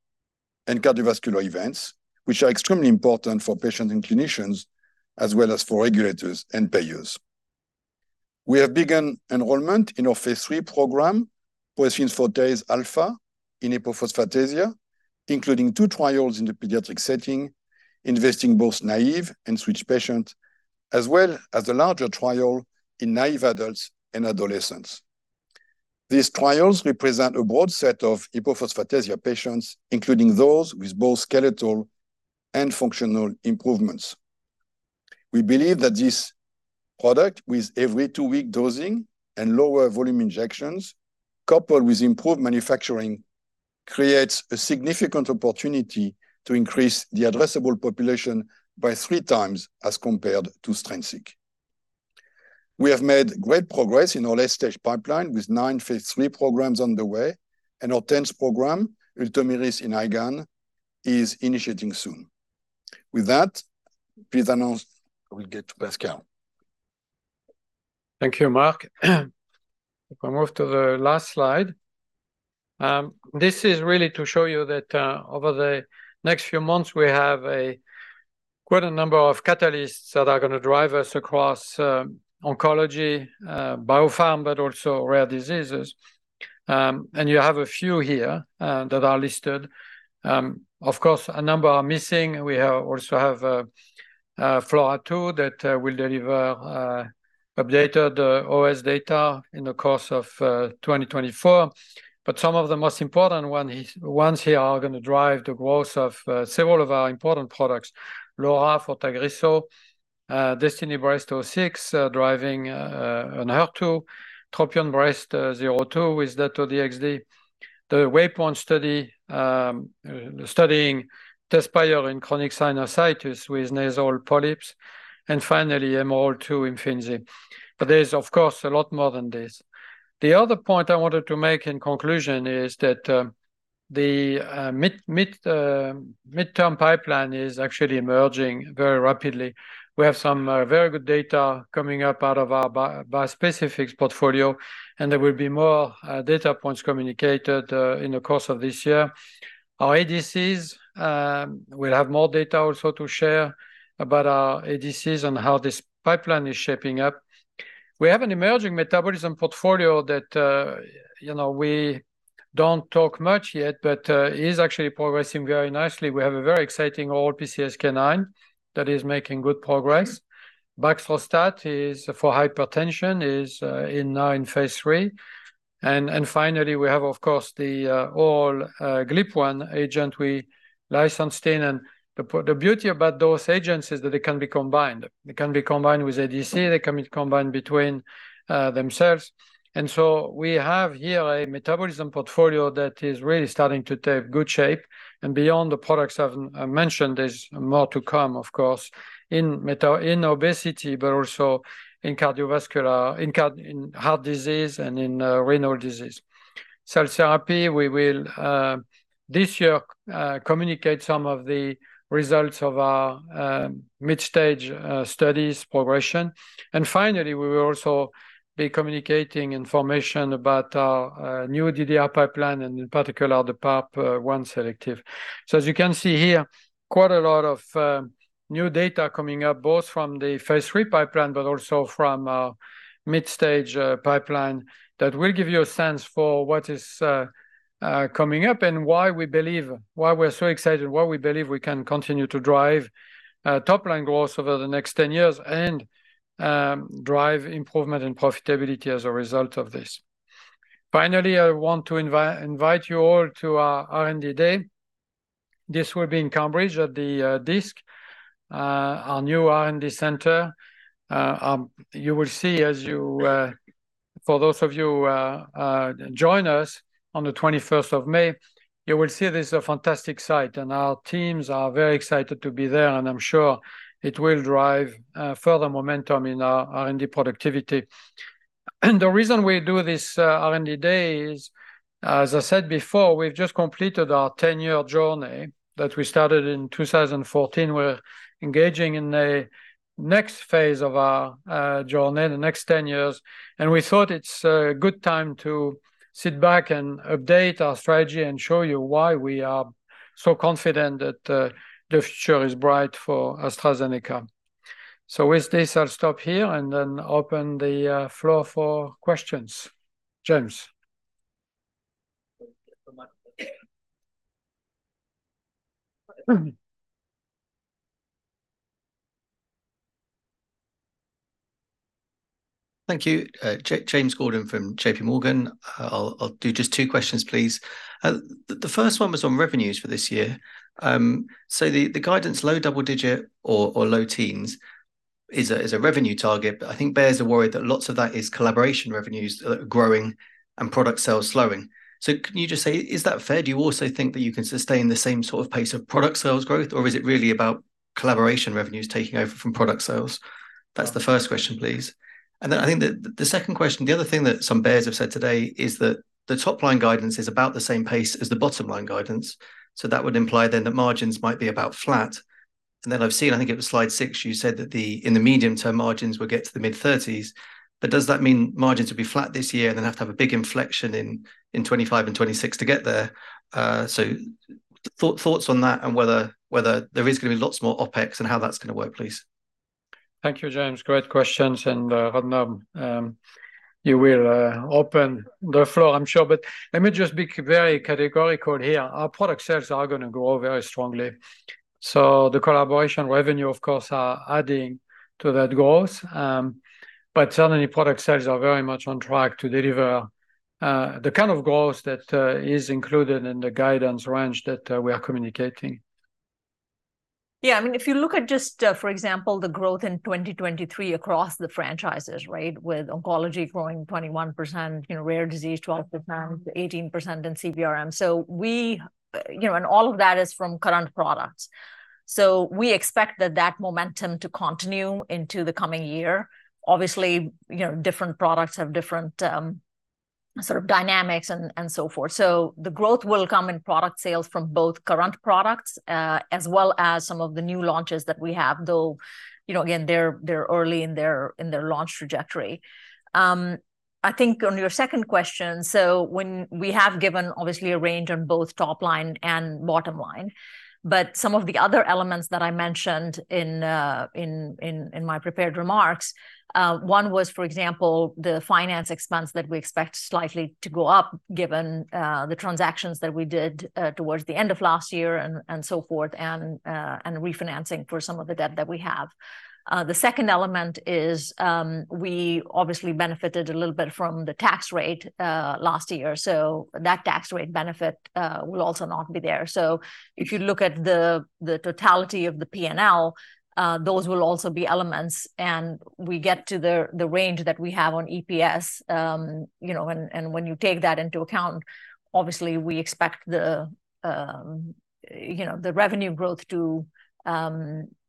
and cardiovascular events, which are extremely important for patients and clinicians, as well as for regulators and payers. We have begun enrollment in our phase III program, for Tofacitinib in hypophosphatasia, including two trials in the pediatric setting, involving both naive and switch patients, as well as a larger trial in naive adults and adolescents. These trials represent a broad set of hypophosphatasia patients, including those with both skeletal and functional improvements. We believe that this product, with every two-week dosing and lower volume injections, coupled with improved manufacturing, creates a significant opportunity to increase the addressable population by three times as compared to Strensiq. We have made great progress in our late-stage pipeline, with nine phase III programs underway, and our tenth program, Ultomiris in IgAN, is initiating soon. With that, please announce. We'll get to Pascal. Thank you, Marc. If I move to the last slide, this is really to show you that, over the next few months, we have quite a number of catalysts that are going to drive us across, oncology, biopharm, but also rare diseases. And you have a few here, that are listed. Of course, a number are missing. We also have FLAURA2, that will deliver updated OS data in the course of 2024. But some of the most important ones here are going to drive the growth of several of our important products. LAURA for Tagrisso, Destiny Breast 06, driving on HER2, TROPION-Breast02 with Dato-DXd. The WAYPOINT study, studying Tezspire in chronic sinusitis with nasal polyps, and finally, MOR2 Imfinzi. But there's, of course, a lot more than this. The other point I wanted to make in conclusion is that, the midterm pipeline is actually emerging very rapidly. We have some very good data coming up out of our bispecifics portfolio, and there will be more data points communicated in the course of this year. Our ADCs, we'll have more data also to share about our ADCs and how this pipeline is shaping up. We have an emerging metabolism portfolio that, you know, we don't talk much yet, but it is actually progressing very nicely. We have a very exciting oral PCSK9 that is making good progress. Baxdrostat is for hypertension, is in now in phase III. And finally, we have, of course, the GLP-1 agent we licensed in, and the beauty about those agents is that they can be combined. They can be combined with ADC, they can be combined between themselves. And so we have here a metabolism portfolio that is really starting to take good shape, and beyond the products I've mentioned, there's more to come, of course, in obesity, but also in cardiovascular, in heart disease and in renal disease. Cell therapy, we will this year communicate some of the results of our mid-stage studies progression. And finally, we will also be communicating information about our new DDR pipeline and in particular, the PARP-1 selective. So as you can see here, quite a lot of new data coming up, both from the phase III pipeline, but also from our mid-stage pipeline, that will give you a sense for what is coming up and why we're so excited, why we believe we can continue to drive top-line growth over the next 10 years, and drive improvement in profitability as a result of this. Finally, I want to invite you all to our R&D Day. This will be in Cambridge at the DISC, our new R&D center. You will see as you... For those of you join us on the twenty-first of May, you will see this is a fantastic site, and our teams are very excited to be there, and I'm sure it will drive further momentum in our R&D productivity. The reason we do this R&D Day is, as I said before, we've just completed our ten-year journey that we started in 2014. We're engaging in the next phase of our journey, the next ten years, and we thought it's a good time to sit back and update our strategy and show you why we are so confident that the future is bright for AstraZeneca. So with this, I'll stop here and then open the floor for questions. James? Thank you. James Gordon from JP Morgan. I'll do just two questions, please. The first one was on revenues for this year. So the guidance low double digit or low teens is a revenue target, but I think bears are worried that lots of that is collaboration revenues growing and product sales slowing. So can you just say, is that fair? Do you also think that you can sustain the same sort of pace of product sales growth, or is it really about collaboration revenues taking over from product sales? That's the first question, please. And then I think the second question, the other thing that some bears have said today is that the top-line guidance is about the same pace as the bottom line guidance, so that would imply then that margins might be about flat. Then I've seen, I think it was slide 6, you said that the, in the medium term, margins will get to the mid-30s. But does that mean margins will be flat this year and then have to have a big inflection in, in 2025 and 2026 to get there? So thoughts on that and whether there is going to be lots more OpEx and how that's going to work, please. Thank you, James. Great questions, and, Rudnab, you will open the floor, I'm sure. But let me just be very categorical here. Our product sales are going to grow very strongly. So the collaboration revenue, of course, are adding to that growth. But certainly, product sales are very much on track to deliver the kind of growth that is included in the guidance range that we are communicating. Yeah, I mean, if you look at just, for example, the growth in 2023 across the franchises, right, with Oncology growing 21%, you know, Rare Disease, 12%, 18% in CVRM. So we, you know, and all of that is from current products. So we expect that, that momentum to continue into the coming year. Obviously, you know, different products have different, sort of dynamics and, and so forth. So the growth will come in product sales from both current products, as well as some of the new launches that we have, though, you know, again, they're, they're early in their, in their launch trajectory. I think on your second question, so when we have given, obviously, a range on both top line and bottom line, but some of the other elements that I mentioned in my prepared remarks, one was, for example, the finance expense that we expect slightly to go up, given the transactions that we did towards the end of last year and so forth, and refinancing for some of the debt that we have. The second element is, we obviously benefited a little bit from the tax rate last year, so that tax rate benefit will also not be there. So if you look at the totality of the P&L, those will also be elements, and we get to the range that we have on EPS. You know, when you take that into account, obviously, we expect the revenue growth to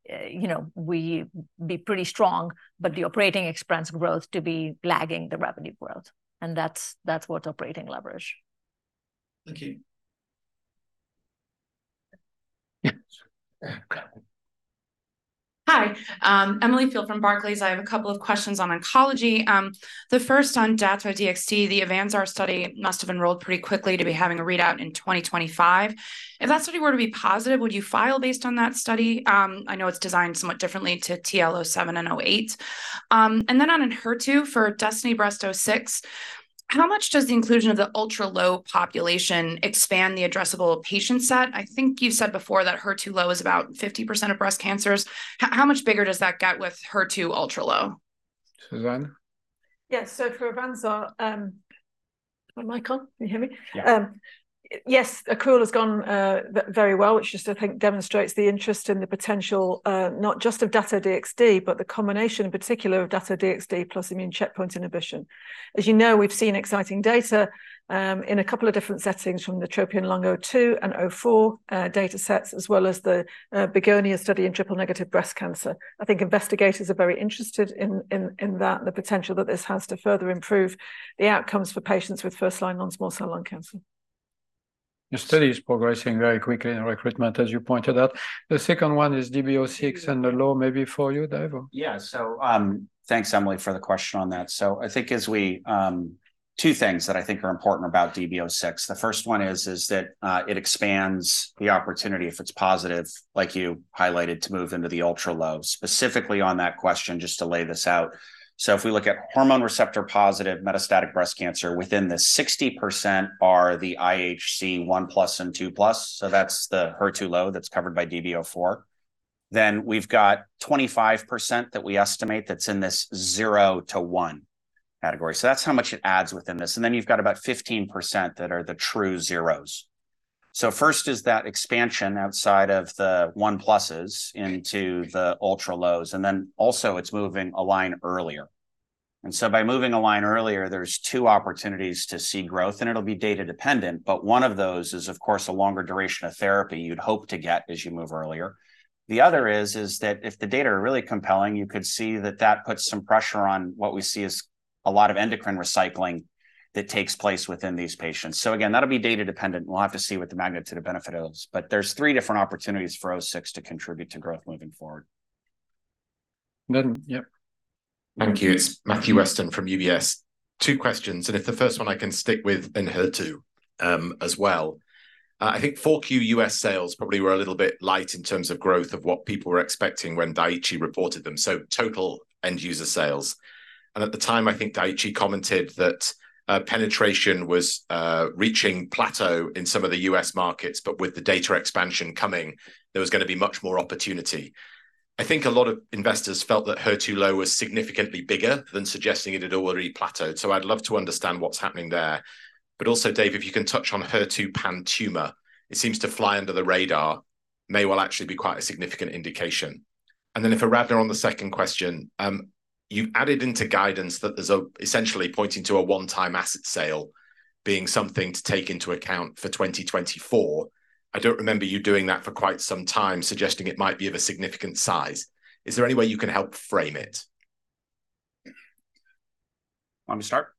be pretty strong, but the operating expense growth to be lagging the revenue growth, and that's what's operating leverage. Thank you. Yeah. Okay. Hi, Emily Field from Barclays. I have a couple of questions on oncology. The first on Dato-DXd, the AVANZAR study must have enrolled pretty quickly to be having a readout in 2025. If that study were to be positive, would you file based on that study? I know it's designed somewhat differently to T-L07 and 08. And then on Enhertu for DESTINY-Breast06, how much does the inclusion of the ultra-low population expand the addressable patient set? I think you said before that HER2-low is about 50% of breast cancers. How much bigger does that get with HER2 ultra-low? Susan? Yes. So for AVANZAR, is my mic on? Can you hear me? Yeah. Yes, ACRO has gone very well, which just, I think, demonstrates the interest and the potential, not just of Dato-DXd, but the combination in particular of Dato-DXd plus immune checkpoint inhibition. As you know, we've seen exciting data in a couple of different settings from the TROPION-Lung02 and 04 datasets, as well as the BEGONIA study in triple-negative breast cancer. I think investigators are very interested in that, the potential that this has to further improve the outcomes for patients with first-line non-small cell lung cancer. The study is progressing very quickly in recruitment, as you pointed out. The second one is DB-06, and the low may be for you, Dave? Yeah. So, thanks, Emily, for the question on that. So I think as we. Two things that I think are important about DB-06. The first one is that it expands the opportunity, if it's positive, like you highlighted, to move into the ultra-low. Specifically on that question, just to lay this out, so if we look at hormone receptor-positive metastatic breast cancer, within the 60% are the IHC 1+ and 2+, so that's the HER2-low that's covered by DB-04. Then we've got 25% that we estimate that's in this 0-1 category. So that's how much it adds within this. And then you've got about 15% that are the true 0s. So first is that expansion outside of the 1+es into the ultra-lows, and then also it's moving a line earlier. And so by moving a line earlier, there's two opportunities to see growth, and it'll be data dependent, but one of those is, of course, a longer duration of therapy you'd hope to get as you move earlier. The other is, is that if the data are really compelling, you could see that that puts some pressure on what we see as a lot of endocrine recycling that takes place within these patients. So again, that'll be data dependent, and we'll have to see what the magnitude of benefit is. But there's three different opportunities for 06 to contribute to growth moving forward. Then, yep. Thank you. It's Matthew Weston from UBS. Two questions, and if the first one I can stick with Enhertu, as well. I think 4Q US sales probably were a little bit light in terms of growth of what people were expecting when Daiichi reported them, so total end-user sales. And at the time, I think Daiichi commented that, penetration was reaching plateau in some of the US markets, but with the data expansion coming, there was going to be much more opportunity. I think a lot of investors felt that HER2 low was significantly bigger than suggesting it had already plateaued, so I'd love to understand what's happening there. But also, Dave, if you can touch on HER2 pan-tumor, it seems to fly under the radar, may well actually be quite a significant indication. Then if I wrap it on the second question, you've added into guidance that there's essentially pointing to a one-time asset sale being something to take into account for 2024. I don't remember you doing that for quite some time, suggesting it might be of a significant size. Is there any way you can help frame it? Want me to start?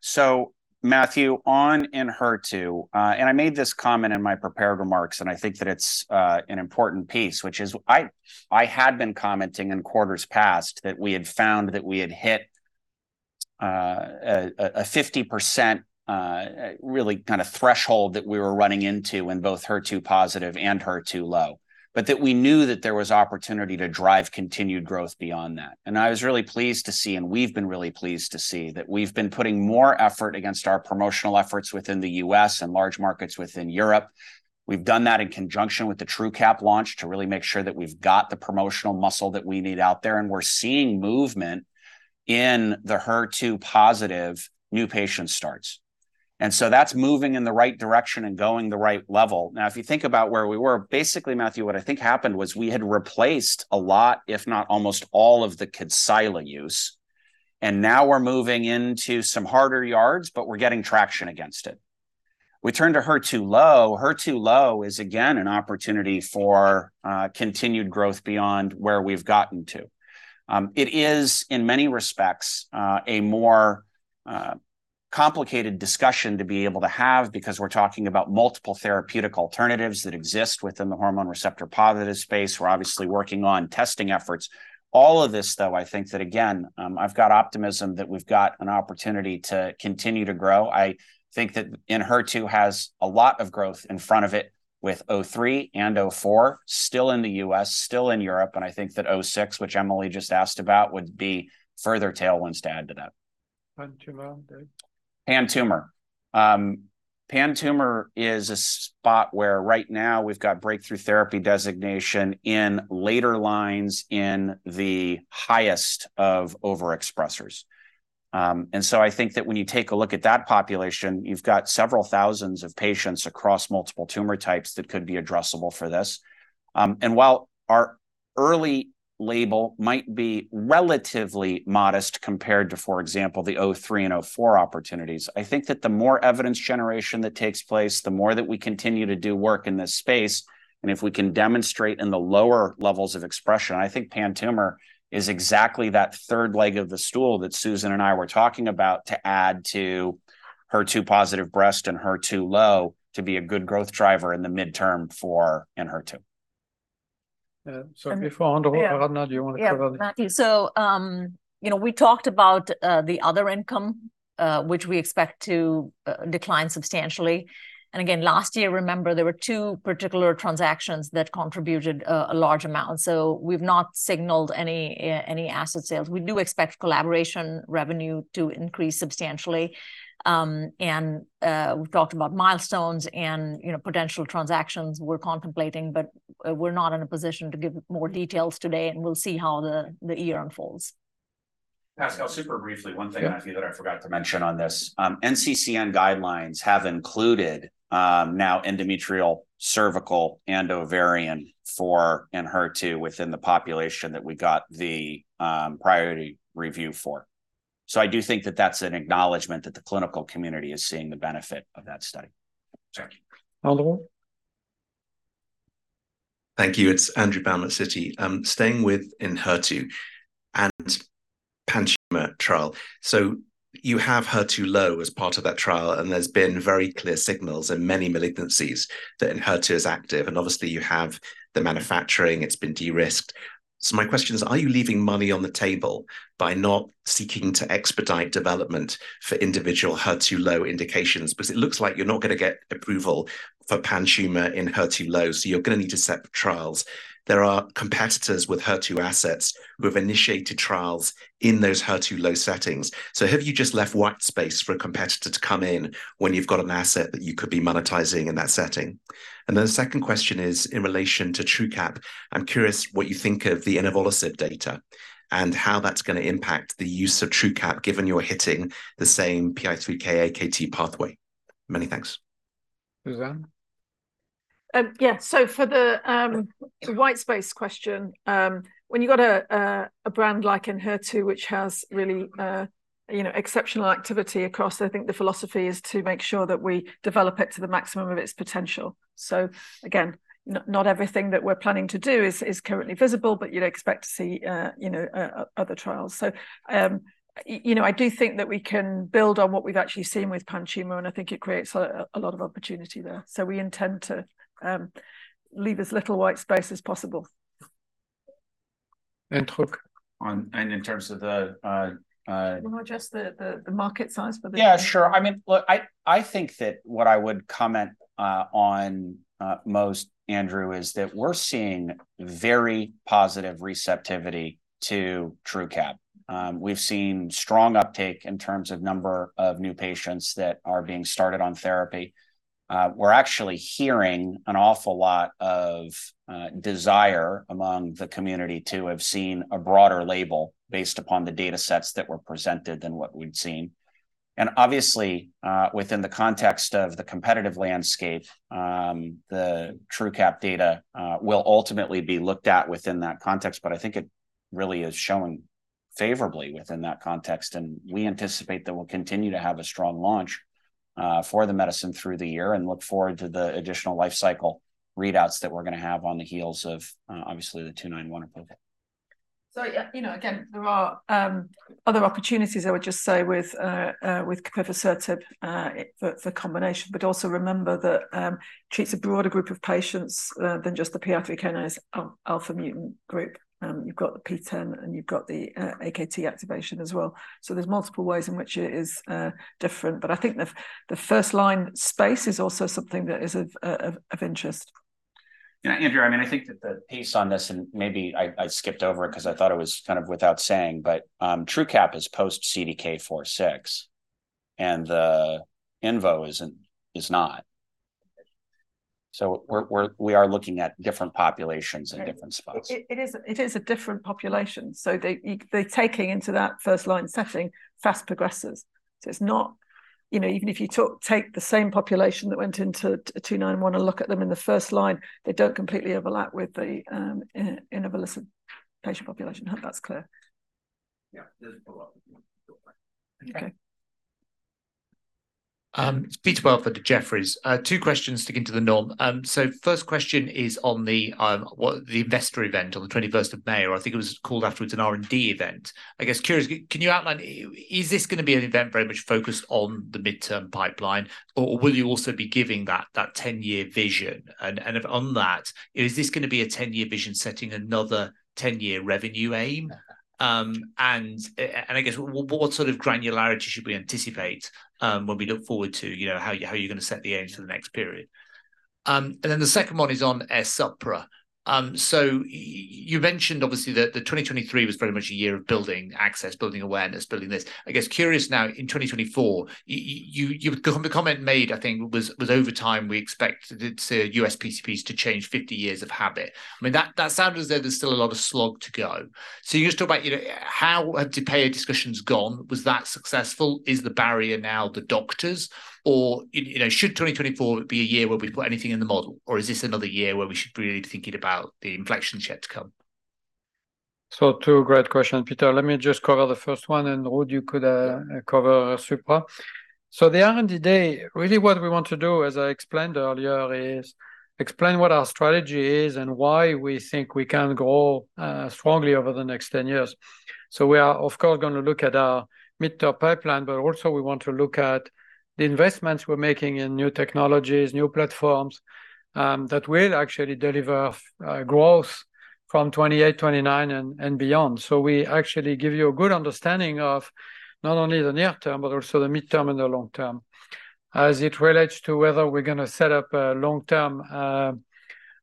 So Matthew, on Enhertu, and I made this comment in my prepared remarks, and I think that it's an important piece, which is I had been commenting in quarters past that we had found that we had hit a 50% really kind of threshold that we were running into in both HER2 positive and HER2 low, but that we knew that there was opportunity to drive continued growth beyond that. And I was really pleased to see, and we've been really pleased to see, that we've been putting more effort against our promotional efforts within the U.S. and large markets within Europe. We've done that in conjunction with the Truqap launch to really make sure that we've got the promotional muscle that we need out there, and we're seeing movement in the HER2 positive new patient starts. And so that's moving in the right direction and going the right level. Now, if you think about where we were, basically, Matthew, what I think happened was we had replaced a lot, if not almost all of the Kadcyla use, and now we're moving into some harder yards, but we're getting traction against it. We turn to HER2-low. HER2-low is, again, an opportunity for continued growth beyond where we've gotten to. It is, in many respects, a more complicated discussion to be able to have because we're talking about multiple therapeutic alternatives that exist within the hormone receptor-positive space. We're obviously working on testing efforts. All of this, though, I think that, again, I've got optimism that we've got an opportunity to continue to grow. I think that Enhertu has a lot of growth in front of it, with 03 and 04 still in the U.S., still in Europe, and I think that 06, which Emily just asked about, would be further tailwinds to add to that. Pan-tumor, Dave? Pan-tumor. Pan-tumor is a spot where right now we've got breakthrough therapy designation in later lines in the highest of overexpressers. And so I think that when you take a look at that population, you've got several thousands of patients across multiple tumor types that could be addressable for this. And while our early label might be relatively modest compared to, for example, the 03 and 04 opportunities, I think that the more evidence generation that takes place, the more that we continue to do work in this space, and if we can demonstrate in the lower levels of expression, I think pan-tumor is exactly that third leg of the stool that Susan and I were talking about to add to HER2 positive breast and HER2 low to be a good growth driver in the midterm for Enhertu. .Yeah, so if, if Andrew or Aradhana, do you want to cover that? Yeah, thank you. So, you know, we talked about the other income, which we expect to decline substantially. And again, last year, remember there were two particular transactions that contributed a large amount, so we've not signaled any asset sales. We do expect collaboration revenue to increase substantially. And we've talked about milestones and, you know, potential transactions we're contemplating, but we're not in a position to give more details today, and we'll see how the year unfolds. Pascal, super briefly, one thing. Yeah I think that I forgot to mention on this. NCCN guidelines have included now endometrial, cervical, and ovarian for Enhertu within the population that we got the priority review for. So I do think that that's an acknowledgement that the clinical community is seeing the benefit of that study. Thank you. Andrew? Thank you. It's Andrew Baum, Citi. Staying with Enhertu and pan-tumor trial. So you have HER2-low as part of that trial, and there's been very clear signals in many malignancies that Enhertu is active. And obviously, you have the manufacturing, it's been de-risked. So my question is, are you leaving money on the table by not seeking to expedite development for individual HER2-low indications? Because it looks like you're not going to get approval for pan-tumor in HER2-low, so you're going to need to set trials. There are competitors with HER2 assets who have initiated trials in those HER2-low settings. So have you just left white space for a competitor to come in when you've got an asset that you could be monetizing in that setting? And then the second question is in relation to Truqap. I'm curious what you think of the inavolisib data, and how that's going to impact the use of Truqap, given you're hitting the same PI3K/AKT pathway. Many thanks. Suzanne? Yeah, so for the white space question, when you've got a brand like Enhertu, which has really, you know, exceptional activity across, I think the philosophy is to make sure that we develop it to the maximum of its potential. So again, not everything that we're planning to do is currently visible, but you'd expect to see, you know, other trials. So, you know, I do think that we can build on what we've actually seen with pan-tumor, and I think it creates a lot of opportunity there. So we intend to leave as little white space as possible. And talk. In terms of the. You want just the market size for the. Yeah, sure. I mean, look, I think that what I would comment on most, Andrew, is that we're seeing very positive receptivity to Truqap. We've seen strong uptake in terms of number of new patients that are being started on therapy. We're actually hearing an awful lot of desire among the community to have seen a broader label based upon the datasets that were presented than what we'd seen. Obviously, within the context of the competitive landscape, the Truqap data will ultimately be looked at within that context, but I think it really is showing favorably within that context, and we anticipate that we'll continue to have a strong launch for the medicine through the year and look forward to the additional life cycle readouts that we're going to have on the heels of, obviously, the 291 approval. So, yeah, you know, again, there are, other opportunities, I would just say, with capivasertib, for combination. But also remember that, treats a broader group of patients, than just the PI3K alpha mutant group. You've got the P-ten, and you've got the, AKT activation as well. So there's multiple ways in which it is, different. But I think the first line space is also something that is of interest. Yeah, Andrew, I mean, I think that the piece on this, and maybe I skipped over it 'cause I thought it was kind of without saying, but Truqap is post-CDK 4/6, and the Imfinzi is not. So we're looking at different populations and different spots. It is a different population, so they're taking into that first line setting fast progressors. So it's not. You know, even if you take the same population that went into 291 and look at them in the first line, they don't completely overlap with the inavolizumab patient population. I hope that's clear. Yeah, there's a lot Okay. Peter Welford at Jefferies. Two questions sticking to the norm. So first question is on the investor event on the 21st of May, or I think it was called afterwards an R&D event. I guess, curious, can you outline... Is this going to be an event very much focused on the midterm pipeline, or will you also be giving that 10-year vision? And if on that, is this going to be a 10-year vision setting another 10-year revenue aim? And I guess, what sort of granularity should we anticipate when we look forward to, you know, how you're going to set the aims for the next period? And then the second one is on Esupra. So you mentioned obviously that 2023 was pretty much a year of building access, building awareness, building this. I guess curious now, in 2024, you, the comment made, I think, was: "Over time, we expected it US PCPs to change 50 years of habit." I mean, that sounds as though there's still a lot of slog to go. So you just talk about, you know, how have the payer discussions gone? Was that successful? Is the barrier now the doctors, or you know, should 2024 be a year where we put anything in the model, or is this another year where we should be really thinking about the inflection yet to come? So two great questions, Peter. Let me just cover the first one, and Ruud, you could cover Esupra. So the R&D day, really what we want to do, as I explained earlier, is explain what our strategy is and why we think we can grow strongly over the next 10 years. So we are, of course, going to look at our mid-term pipeline, but also we want to look at the investments we're making in new technologies, new platforms, that will actually deliver growth from 2028, 2029, and beyond. So we actually give you a good understanding of not only the near term, but also the midterm and the long term. As it relates to whether we're going to set up a long-term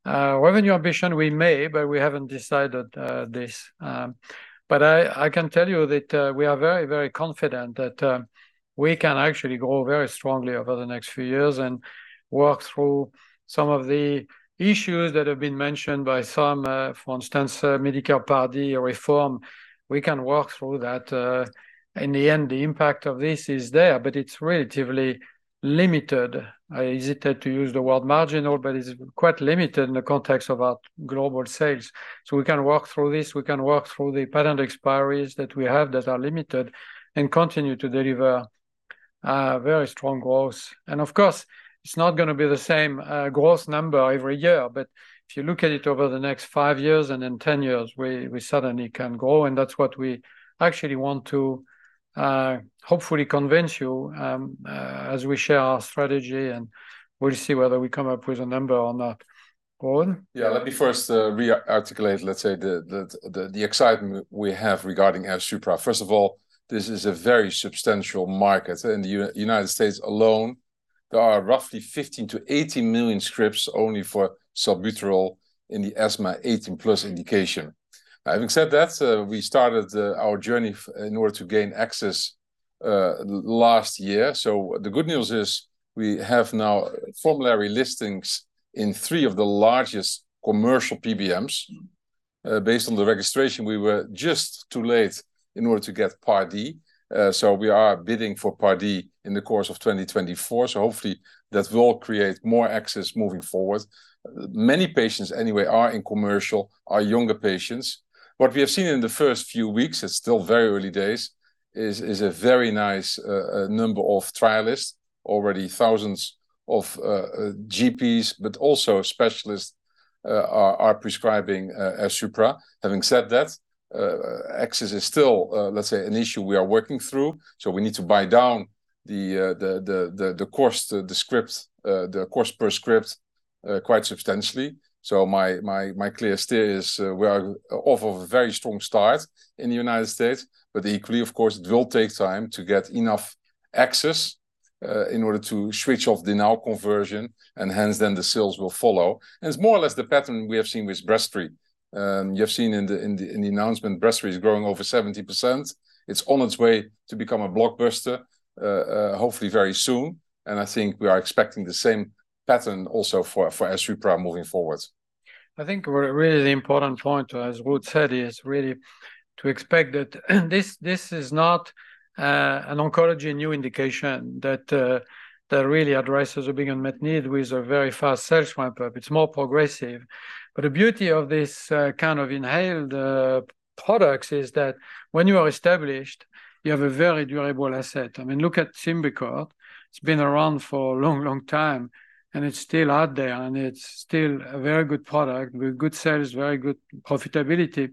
revenue ambition, we may, but we haven't decided this. But I can tell you that we are very, very confident that we can actually grow very strongly over the next few years and work through some of the issues that have been mentioned by some, for instance, Medicare Part D or reform; we can work through that. In the end, the impact of this is there, but it's relatively limited. I hesitate to use the word marginal, but it's quite limited in the context of our global sales. So we can work through this, we can work through the patent expiries that we have that are limited, and continue to deliver very strong growth. Of course, it's not going to be the same growth number every year, but if you look at it over the next five years and in ten years, we, we suddenly can grow, and that's what we actually want to hopefully convince you as we share our strategy, and we'll see whether we come up with a number on that. Ruud? Yeah, let me first re-articulate, let's say, the excitement we have regarding AIRSUPRA. First of all, this is a very substantial market. In the United States alone, there are roughly 15-18 million scripts only for albuterol in the asthma 18-plus indication. Having said that, we started our journey in order to gain access last year. So the good news is, we have now formulary listings in 3 of the largest commercial PBMs. Based on the registration, we were just too late in order to get Part D, so we are bidding for Part D in the course of 2024. So hopefully, that will create more access moving forward. Many patients, anyway, are in commercial, are younger patients. What we have seen in the first few weeks, it's still very early days, is a very nice number of prescribers. Already thousands of GPs, but also specialists, are prescribing Tezspire. Having said that, access is still, let's say, an issue we are working through, so we need to buy down the cost per script quite substantially. So my clear steer is, we are off to a very strong start in the United States, but equally, of course, it will take time to get enough access in order to switch on the volume conversion, and hence, then the sales will follow. And it's more or less the pattern we have seen with Breztri. You have seen in the announcement, Breztri is growing over 70%. It's on its way to become a blockbuster, hopefully very soon, and I think we are expecting the same pattern also for Tezspire moving forward. I think really the important point, as Ruud said, is really to expect that this, this is not, an oncology new indication that, that really addresses a big unmet need with a very fast sales ramp-up. It's more progressive. But the beauty of this, kind of inhaled, products is that when you are established, you have a very durable asset. I mean, look at Symbicort. It's been around for a long, long time, and it's still out there, and it's still a very good product, with good sales, very good profitability.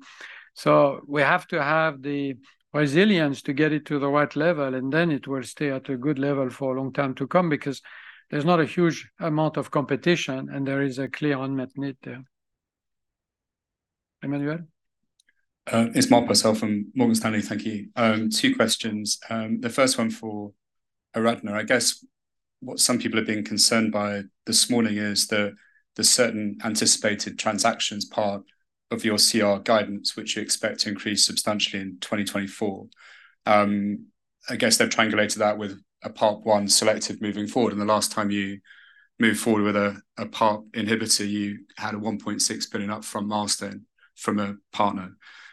So we have to have the resilience to get it to the right level, and then it will stay at a good level for a long time to come, because there's not a huge amount of competition, and there is a clear unmet need there. Emmanuel? It's Mark Purcell from Morgan Stanley. Thank you. 2 questions. The first one for Aradhana. I guess what some people are being concerned by this morning is the certain anticipated transactions part of your CER guidance, which you expect to increase substantially in 2024. I guess they've triangulated that with a PARP-1 selected moving forward, and the last time you moved forward with a PARP inhibitor, you had a $1.6 billion upfront milestone from a partner.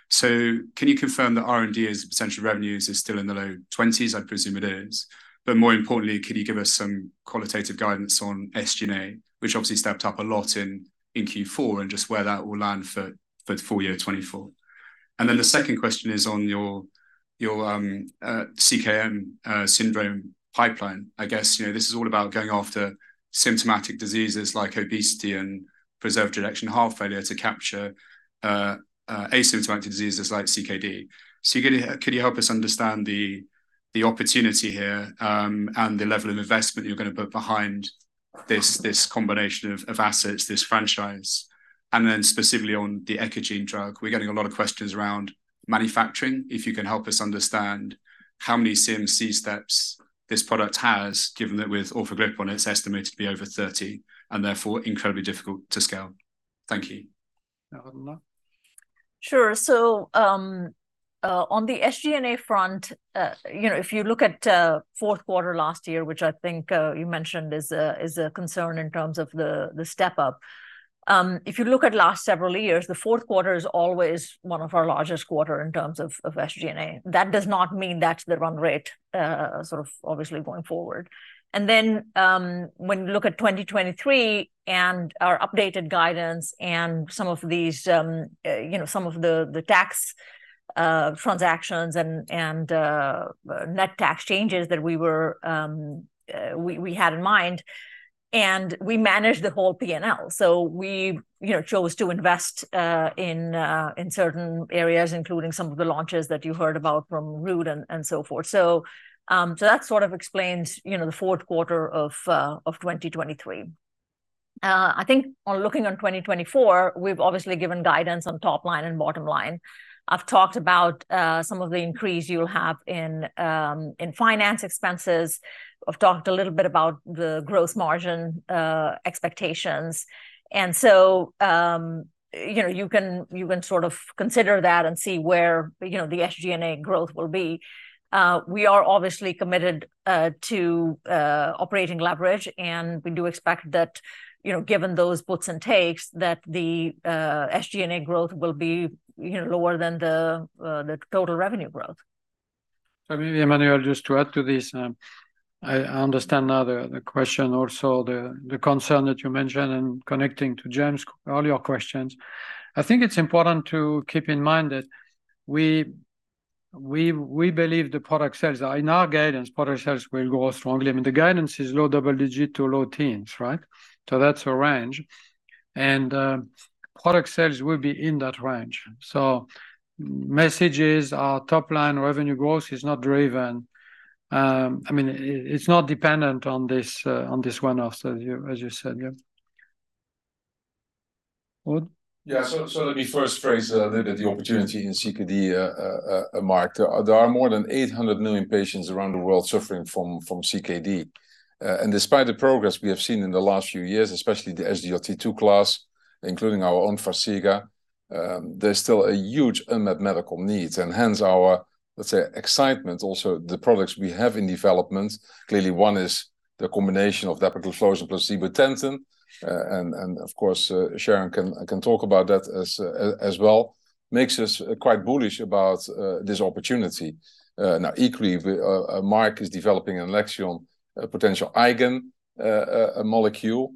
So can you confirm that R&D's potential revenues is still in the low twenties? I presume it is. But more importantly, can you give us some qualitative guidance on SG&A, which obviously stepped up a lot in Q4, and just where that will land for the full year 2024. Then the second question is on your CVRM syndrome pipeline. I guess, you know, this is all about going after symptomatic diseases like obesity and preserved ejection heart failure to capture asymptomatic diseases like CKD. So could you help us understand the opportunity here, and the level of investment you're going to put behind this combination of assets, this franchise? And then specifically on the Echosens drug, we're getting a lot of questions around manufacturing. If you can help us understand how many CMC steps this product has, given that with orforglipron, it's estimated to be over 30, and therefore incredibly difficult to scale. Thank you. Aradhna? Sure. So, on the SG&A front, you know, if you look at Q4 last year, which I think you mentioned is a, is a concern in terms of the, the step up, if you look at last several years, the Q4 is always one of our largest quarter in terms of, of SG&A. That does not mean that's the run rate, sort of obviously going forward. And then, when you look at 2023 and our updated guidance and some of these, you know, some of the, the tax transactions and, and net tax changes that we were, we, we had in mind, and we managed the whole P&L. So we, you know, chose to invest in certain areas, including some of the launches that you heard about from Ruud and so forth. So that sort of explains, you know, the Q4 of 2023. I think on looking on 2024, we've obviously given guidance on top line and bottom line. I've talked about some of the increase you'll have in finance expenses. I've talked a little bit about the growth margin expectations. And so, you know, you can- you can sort of consider that and see where, you know, the SG&A growth will be. We are obviously committed to operating leverage, and we do expect that, you know, given those puts and takes, that the SG&A growth will be, you know, lower than the total revenue growth. So maybe, Emmanuel, just to add to this, I understand now the question, also the concern that you mentioned, and connecting to James, all your questions. I think it's important to keep in mind that we believe the product sales are... In our guidance, product sales will grow strongly. I mean, the guidance is low double-digit to low teens, right? So that's a range, and product sales will be in that range. So message is, our top line revenue growth is not driven, I mean, it's not dependent on this on this one-off, as you said, yeah. Ruud? Yeah, so let me first phrase a little bit the opportunity in CKD, Mark. There are more than 800 million patients around the world suffering from CKD. And despite the progress we have seen in the last few years, especially the SGLT-2 class, including our own Farxiga, there's still a huge unmet medical needs, and hence our, let's say, excitement. Also, the products we have in development, clearly one is the combination of dapagliflozin plus Zibotentan. And, and of course, Sharon can, can talk about that as, as well, makes us quite bullish about, this opportunity. Now, equally, Mark is developing an Alexion, a potential Neogen, a molecule.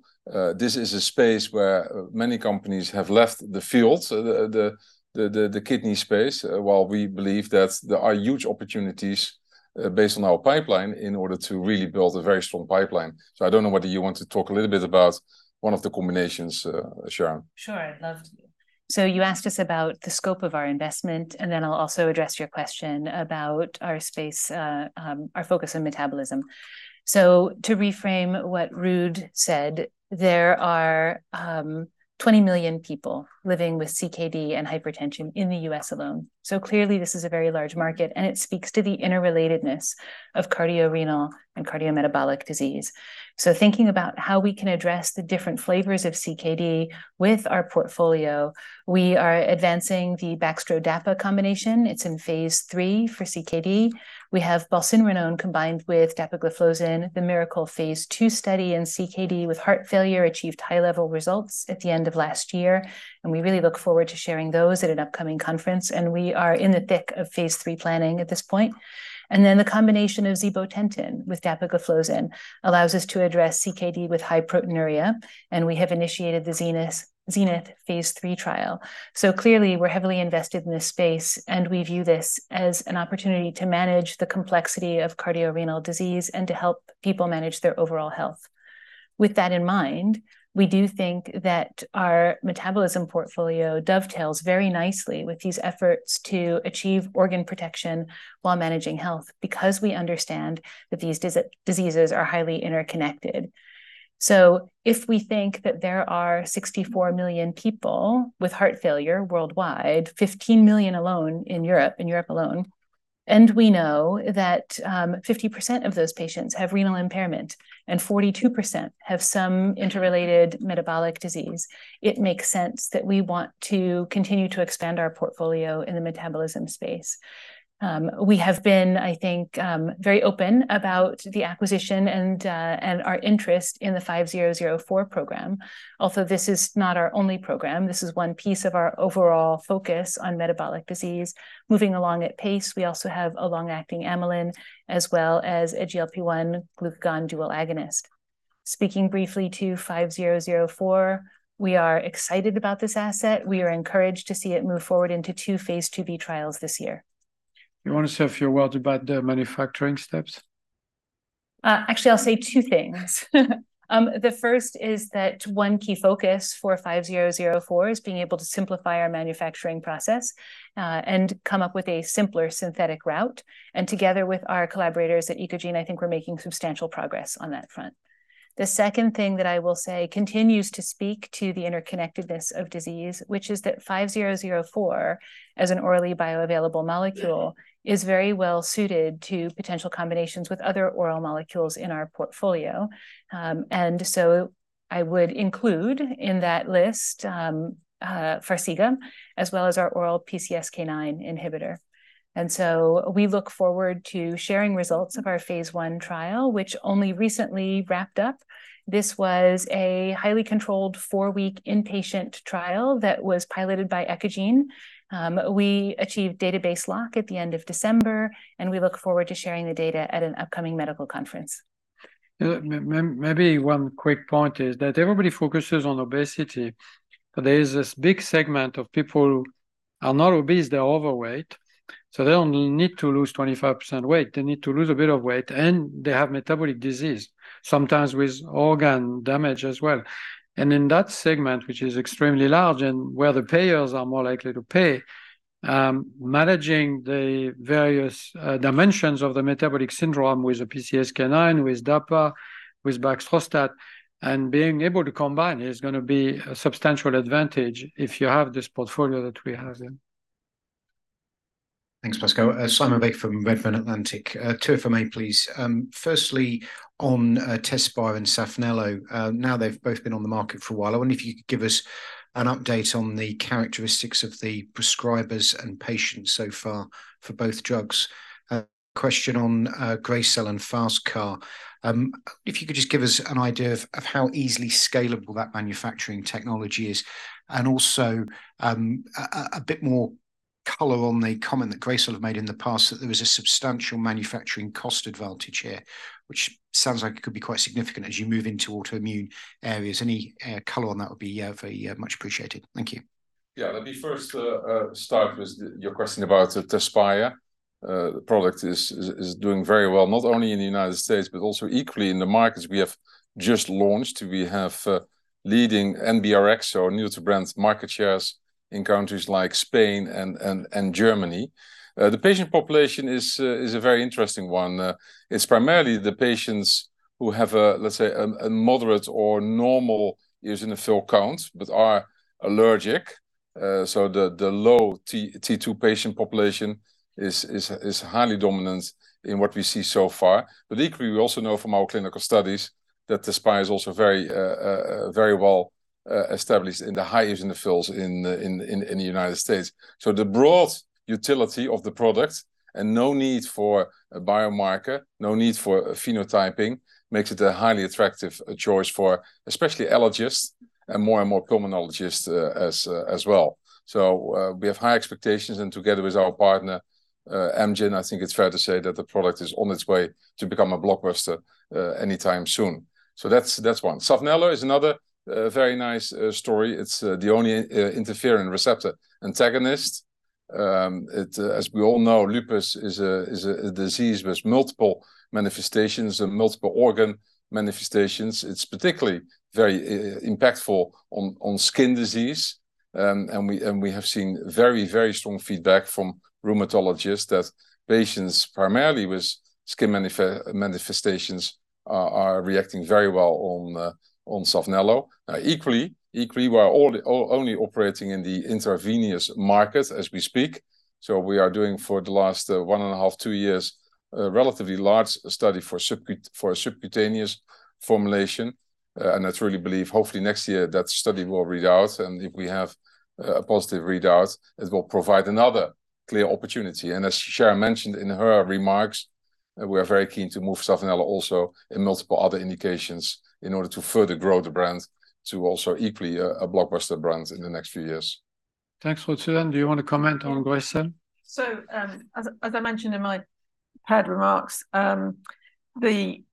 This is a space where many companies have left the field, so the kidney space, while we believe that there are huge opportunities, based on our pipeline, in order to really build a very strong pipeline. So I don't know whether you want to talk a little bit about one of the combinations, Sharon? Sure, I'd love to. So you asked us about the scope of our investment, and then I'll also address your question about our space, our focus on metabolism. So to reframe what Ruud said, there are 20 million people living with CKD and hypertension in the U.S. alone. So clearly, this is a very large market, and it speaks to the interrelatedness of cardiorenal and cardiometabolic disease. So thinking about how we can address the different flavors of CKD with our portfolio, we are advancing the Baxdrostat/dapa combination. It's in phase III for CKD. We have balsartanone combined with dapagliflozin. The Miracle phase II study in CKD with heart failure achieved high-level results at the end of last year, and we really look forward to sharing those at an upcoming conference, and we are in the thick of phase III planning at this point. And then the combination of zibotentan with dapagliflozin allows us to address CKD with high proteinuria, and we have initiated the Zenith Phase III trial. So clearly, we're heavily invested in this space, and we view this as an opportunity to manage the complexity of cardiorenal disease and to help people manage their overall health. With that in mind, we do think that our metabolism portfolio dovetails very nicely with these efforts to achieve organ protection while managing health, because we understand that these diseases are highly interconnected. So if we think that there are 64 million people with heart failure worldwide, 15 million alone in Europe, in Europe alone, and we know that, 50% of those patients have renal impairment, and 42% have some interrelated metabolic disease, it makes sense that we want to continue to expand our portfolio in the metabolism space. We have been, I think, very open about the acquisition and, and our interest in the five zero zero four program. Although this is not our only program, this is one piece of our overall focus on metabolic disease. Moving along at pace, we also have a long-acting amylin, as well as a GLP one glucagon dual agonist. Speaking briefly to five zero zero four, we are excited about this asset. We are encouraged to see it move forward into 2 phase IIb trials this year. You want to say a few words about the manufacturing steps? Actually, I'll say two things. The first is that one key focus for AZD5004 is being able to simplify our manufacturing process, and come up with a simpler synthetic route. Together with our collaborators at Echosens, I think we're making substantial progress on that front. The second thing that I will say continues to speak to the interconnectedness of disease, which is that AZD5004, as an orally bioavailable molecule, is very well suited to potential combinations with other oral molecules in our portfolio. And so I would include in that list, Farxiga, as well as our oral PCSK9 inhibitor. So we look forward to sharing results of our phase I trial, which only recently wrapped up. This was a highly controlled 4-week inpatient trial that was piloted by Echosens. We achieved database lock at the end of December, and we look forward to sharing the data at an upcoming medical conference. Yeah, maybe one quick point is that everybody focuses on obesity, but there is this big segment of people who are not obese, they're overweight, so they don't need to lose 25% weight. They need to lose a bit of weight, and they have metabolic disease, sometimes with organ damage as well. And in that segment, which is extremely large, and where the payers are more likely to pay, managing the various dimensions of the metabolic syndrome with a PCSK9, with DAPA, with Baxdrostat, and being able to combine is going to be a substantial advantage if you have this portfolio that we have then. Thanks, Pascal. Simon Baker from Redburn Atlantic. Two if I may, please. Firstly, on Tezspire and Saphnelo, now they've both been on the market for a while. I wonder if you could give us an update on the characteristics of the prescribers and patients so far for both drugs. Question on Gracell and FASTcar. If you could just give us an idea of how easily scalable that manufacturing technology is, and also a bit more color on the comment that Gracell have made in the past, that there was a substantial manufacturing cost advantage here, which sounds like it could be quite significant as you move into autoimmune areas. Any color on that would be very much appreciated. Thank you. Yeah. Let me first start with your question about Tezspire. The product is doing very well, not only in the United States, but also equally in the markets we have just launched. We have leading NBRX, so new to brands, market shares in countries like Spain and Germany. The patient population is a very interesting one. It's primarily the patients who have, let's say, a moderate or normal eosinophil count, but are allergic. So the low T2 patient population is highly dominant in what we see so far. But equally, we also know from our clinical studies that Tezspire is also very well established in the high eosinophils in the United States. So the broad utility of the product, and no need for a biomarker, no need for phenotyping, makes it a highly attractive choice for especially allergists and more and more pulmonologists, as well. So, we have high expectations, and together with our partner, Amgen, I think it's fair to say that the product is on its way to become a blockbuster anytime soon. So that's, that's one. Saphnelo is another very nice story. It's the only interferon receptor antagonist. As we all know, lupus is a disease with multiple manifestations and multiple organ manifestations. It's particularly very impactful on skin disease. And we have seen very, very strong feedback from rheumatologists that patients primarily with skin manifestations are reacting very well on Saphnelo. Equally, we are only operating in the intravenous market as we speak, so we are doing for the last 1.5-2 years a relatively large study for a subcutaneous formulation. And I truly believe hopefully next year that study will read out, and if we have a positive readout, it will provide another clear opportunity. And as Sharon mentioned in her remarks, we are very keen to move Saphnelo also in multiple other indications in order to further grow the brand, to also equally a blockbuster brand in the next few years. Thanks, Ruud. Suzanne, do you want to comment on Gracell? So, as I mentioned in my prepared remarks, the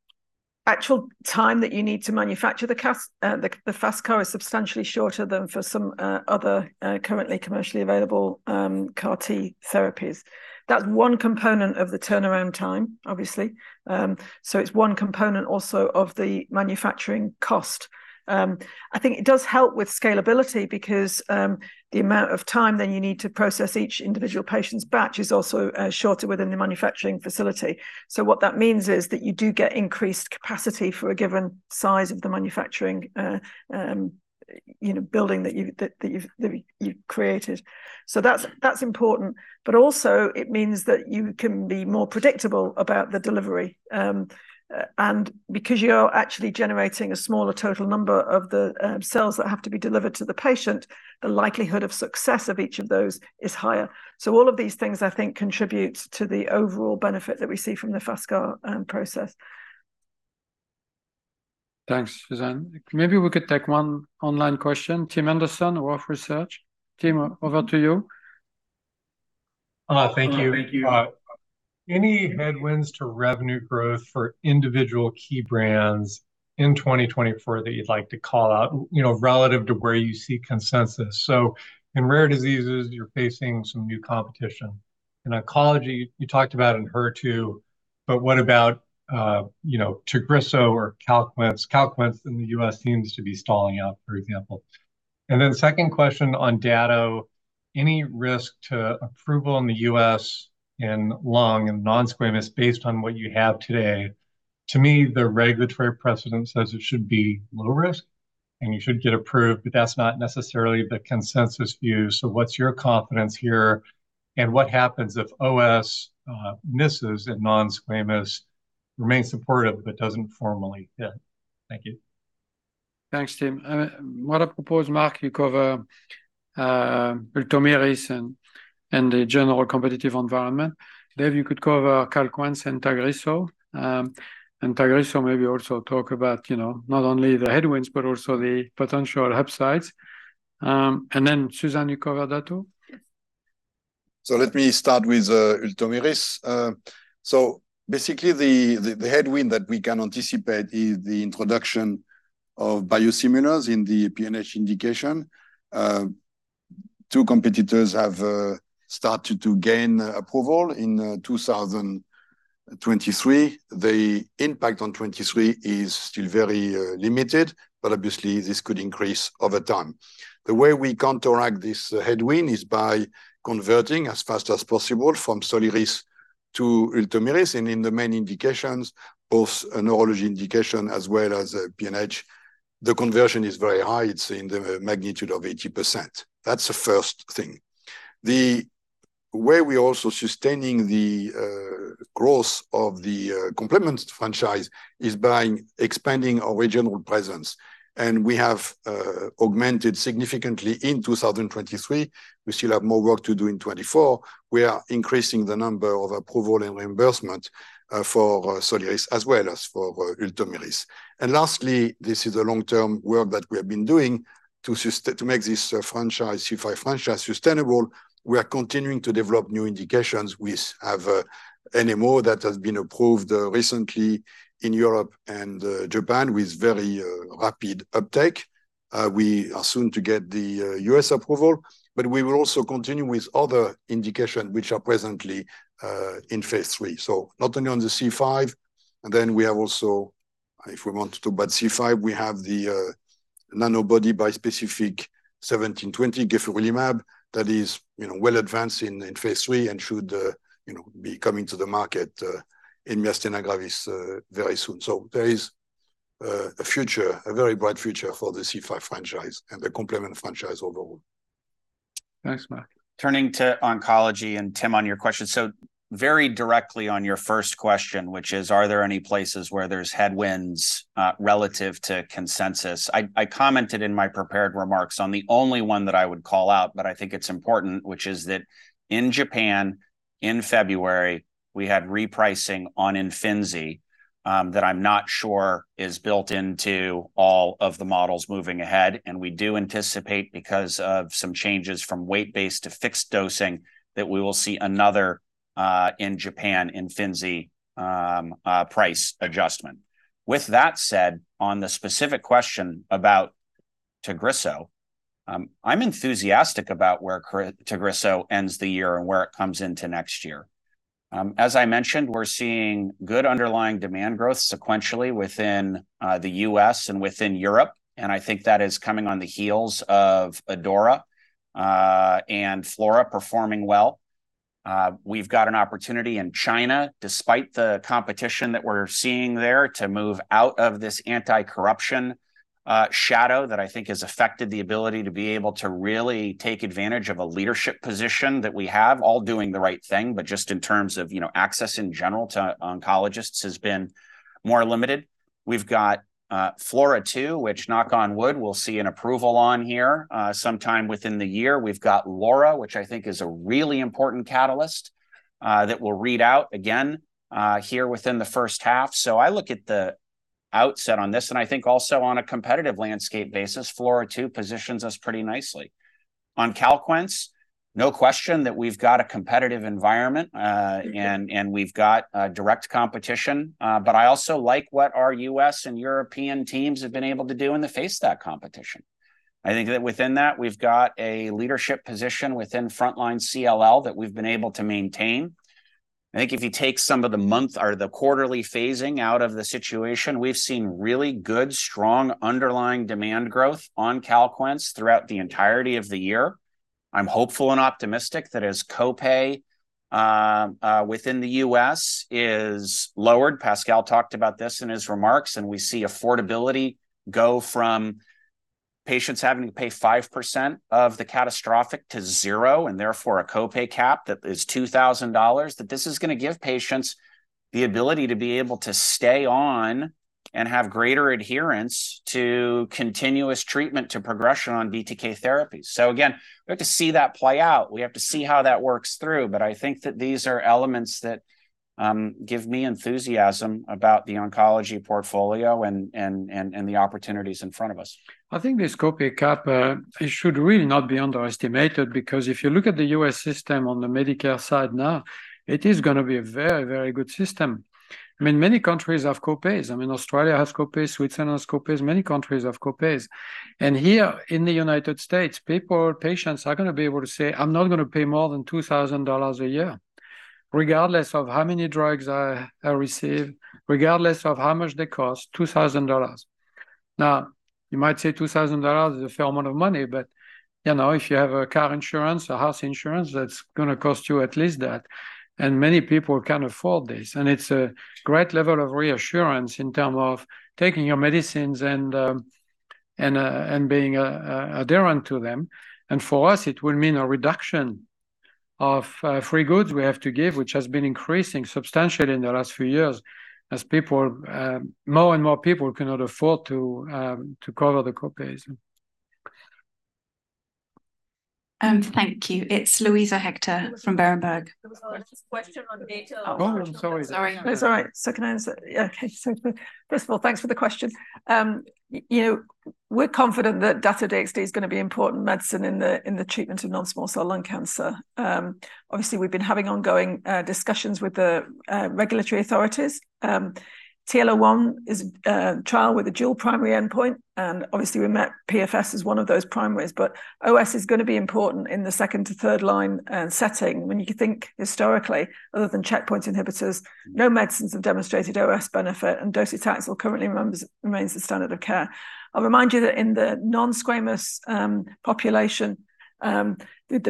actual time that you need to manufacture the FASTcar is substantially shorter than for some other currently commercially available CAR-T therapies. That's one component of the turnaround time, obviously. So it's one component also of the manufacturing cost. I think it does help with scalability because the amount of time that you need to process each individual patient's batch is also shorter within the manufacturing facility. So what that means is that you do get increased capacity for a given size of the manufacturing, you know, building that you've created. So that's important. But also, it means that you can be more predictable about the delivery. Because you're actually generating a smaller total number of the cells that have to be delivered to the patient, the likelihood of success of each of those is higher. So all of these things, I think, contribute to the overall benefit that we see from the FASTcar process. Thanks, Susan. Maybe we could take one online question. Tim Anderson, Wolfe Research. Tim, over to you. Thank you. Any headwinds to revenue growth for individual key brands in 2024 that you'd like to call out, you know, relative to where you see consensus? So in rare diseases, you're facing some new competition. In oncology, you talked about Enhertu, but what about, you know, Tagrisso or Calquence? Calquence in the U.S. seems to be stalling out, for example. And then second question on Dato-DXd, any risk to approval in the U.S. in lung and non-squamous, based on what you have today? To me, the regulatory precedent says it should be low risk, and you should get approved, but that's not necessarily the consensus view. So what's your confidence here, and what happens if OS misses and non-squamous remains supportive, but doesn't formally hit? Thank you. Thanks, Tim. What I propose, Marc, you cover Ultomiris and the general competitive environment. Dave, you could cover Calquence and Tagrisso. And Tagrisso, maybe also talk about, you know, not only the headwinds, but also the potential upsides. And then Susan, you cover dato? Yes. So let me start with Ultomiris. So basically, the headwind that we can anticipate is the introduction of biosimilars in the PNH indication. Two competitors have started to gain approval in 2023. The impact on 2023 is still very limited, but obviously, this could increase over time. The way we counteract this headwind is by converting as fast as possible from Soliris to Ultomiris. And in the main indications, both neurology indication as well as PNH, the conversion is very high. It's in the magnitude of 80%. That's the first thing. The way we're also sustaining the growth of the complement franchise is by expanding our regional presence, and we have augmented significantly in 2023. We still have more work to do in 2024. We are increasing the number of approval and reimbursement for Soliris as well as for Ultomiris. Lastly, this is a long-term work that we have been doing to make this franchise, C5 franchise sustainable. We are continuing to develop new indications. We have NMO that has been approved recently in Europe and Japan with very rapid uptake. We are soon to get the US approval, but we will also continue with other indications which are presently in phase three. So not only on the C5, and then we have also, if we want to, but C5, we have the nanobody bispecific 1720 Geflimumab that is, you know, well advanced in phase three and should, you know, be coming to the market in myasthenia gravis very soon. There is a very bright future for the C5 franchise and the complement franchise overall. Thanks, Marc. Turning to oncology, and Tim, on your question, so very directly on your first question, which is: Are there any places where there's headwinds relative to consensus? I commented in my prepared remarks on the only one that I would call out, but I think it's important, which is that in Japan, in February, we had repricing on Imfinzi that I'm not sure is built into all of the models moving ahead. And we do anticipate, because of some changes from weight-based to fixed dosing, that we will see another in Japan, Imfinzi price adjustment. With that said, on the specific question about Tagrisso, I'm enthusiastic about where Tagrisso ends the year and where it comes into next year. As I mentioned, we're seeing good underlying demand growth sequentially within the U.S. and within Europe, and I think that is coming on the heels of ADAURA and FLAURA performing well. We've got an opportunity in China, despite the competition that we're seeing there, to move out of this anti-corruption shadow that I think has affected the ability to be able to really take advantage of a leadership position that we have, all doing the right thing. But just in terms of, you know, access in general to oncologists has been more limited. We've got FLAURA2, which, knock on wood, we'll see an approval on here sometime within the year. We've got LAURA, which I think is a really important catalyst that will read out again here within the first half. So I look at the outset on this, and I think also on a competitive landscape basis, Farxiga positions us pretty nicely. On Calquence, no question that we've got a competitive environment, and we've got a direct competition. But I also like what our US and European teams have been able to do in the face of that competition. I think that within that, we've got a leadership position within frontline CLL that we've been able to maintain. I think if you take some of the month or the quarterly phasing out of the situation, we've seen really good, strong underlying demand growth on Calquence throughout the entirety of the year. I'm hopeful and optimistic that as co-pay within the U.S. is lowered, Pascal talked about this in his remarks, and we see affordability go from patients having to pay 5% of the catastrophic to zero, and therefore, a co-pay cap that is $2,000, that this is going to give patients the ability to be able to stay on and have greater adherence to continuous treatment to progression on BTK therapies. So again, we have to see that play out. We have to see how that works through, but I think that these are elements that give me enthusiasm about the oncology portfolio and the opportunities in front of us. I think this co-pay cap, it should really not be underestimated, because if you look at the U.S. system on the Medicare side now, it is going to be a very, very good system. I mean, many countries have co-pays. I mean, Australia has co-pays, Switzerland has co-pays, many countries have co-pays. And here in the United States, people, patients are going to be able to say, "I'm not going to pay more than $2,000 a year, regardless of how many drugs I receive, regardless of how much they cost, $2,000." Now, you might say $2,000 is a fair amount of money, but you know, if you have a car insurance, a house insurance, that's going to cost you at least that, and many people can afford this. It's a great level of reassurance in terms of taking your medicines and being adherent to them. And for us, it will mean a reduction of free goods we have to give, which has been increasing substantially in the last few years as more and more people cannot afford to cover the co-pays. Thank you. It's Luisa Hector from Berenberg. There was a question on data. Oh, I'm sorry. Sorry. That's all right. So can I answer? Yeah, okay, so first of all, thanks for the question. You know, we're confident that Dato-DXd is going to be important medicine in the, in the treatment of non-small cell lung cancer. Obviously, we've been having ongoing discussions with the regulatory authorities. TROPION-Lung01 is a trial with a dual primary endpoint, and obviously we met PFS as one of those primaries. But OS is going to be important in the second to third line setting. When you think historically, other than checkpoint inhibitors, no medicines have demonstrated OS benefit, and docetaxel currently remains the standard of care. I'll remind you that in the non-squamous population, the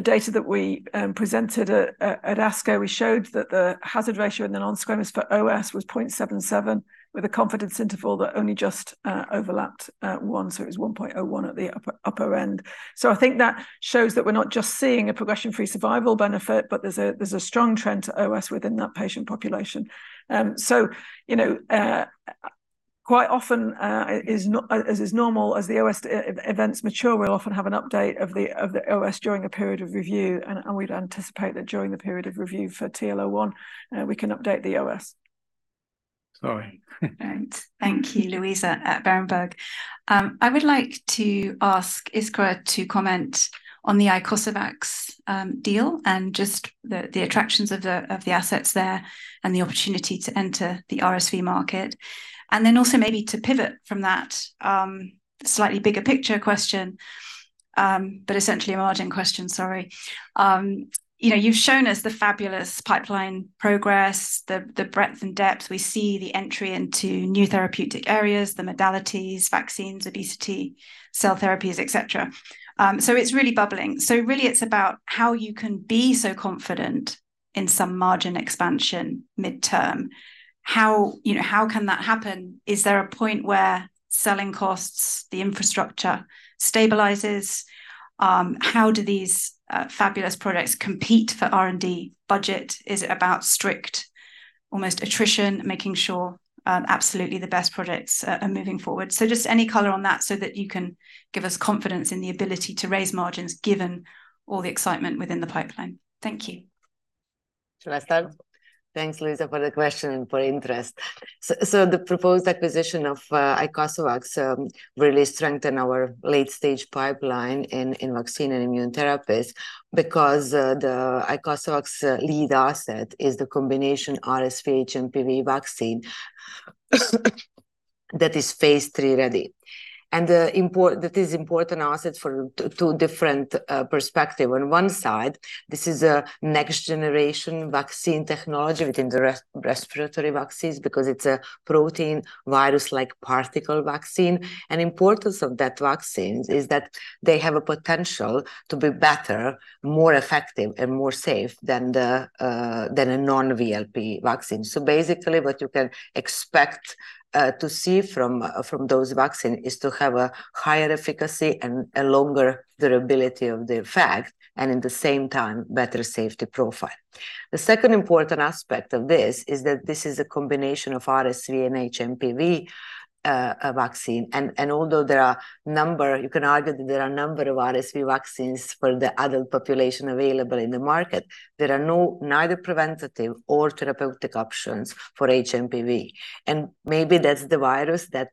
data that we presented at ASCO, we showed that the hazard ratio in the non-squamous for OS was 0.77, with a confidence interval that only just overlapped 1. So it was 1.01 at the upper end. So I think that shows that we're not just seeing a progression-free survival benefit, but there's a strong trend to OS within that patient population. So you know, quite often... As is normal, as the OS events mature, we'll often have an update of the OS during a period of review, and we'd anticipate that during the period of review for TLO1, we can update the OS. Sorry. All right. Thank you, Louisa at Berenberg. I would like to ask Iskra to comment on the Icosavax deal, and just the attractions of the assets there, and the opportunity to enter the RSV market. And then also maybe to pivot from that, slightly bigger picture question, but essentially a margin question, sorry. You know, you've shown us the fabulous pipeline progress, the breadth and depth. We see the entry into new therapeutic areas, the modalities, vaccines, obesity, cell therapies, et cetera. So it's really bubbling. So really, it's about how you can be so confident in some margin expansion midterm. How, you know, how can that happen? Is there a point where selling costs, the infrastructure stabilizes? How do these fabulous products compete for R&D budget? Is it about strict, almost attrition, making sure absolutely the best products are moving forward? So just any color on that so that you can give us confidence in the ability to raise margins, given all the excitement within the pipeline. Thank you. Should I start? Thanks, Luisa, for the question and for interest. So, the proposed acquisition of Icosavax really strengthen our late-stage pipeline in vaccine and immune therapies, because the Icosavax lead asset is the combination RSV hMPV vaccine that is phase III ready. And that is important asset for two different perspective. On one side, this is a next-generation vaccine technology within the respiratory vaccines, because it's a protein virus, like particle vaccine. And importance of that vaccines is that they have a potential to be better, more effective, and more safe than a non-VLP vaccine. So basically, what you can expect to see from those vaccine is to have a higher efficacy and a longer durability of the effect, and in the same time, better safety profile. The second important aspect of this is that this is a combination of RSV and hMPV vaccine. Although you can argue that there are a number of RSV vaccines for the adult population available in the market, there are neither preventive or therapeutic options for hMPV. And maybe that's the virus that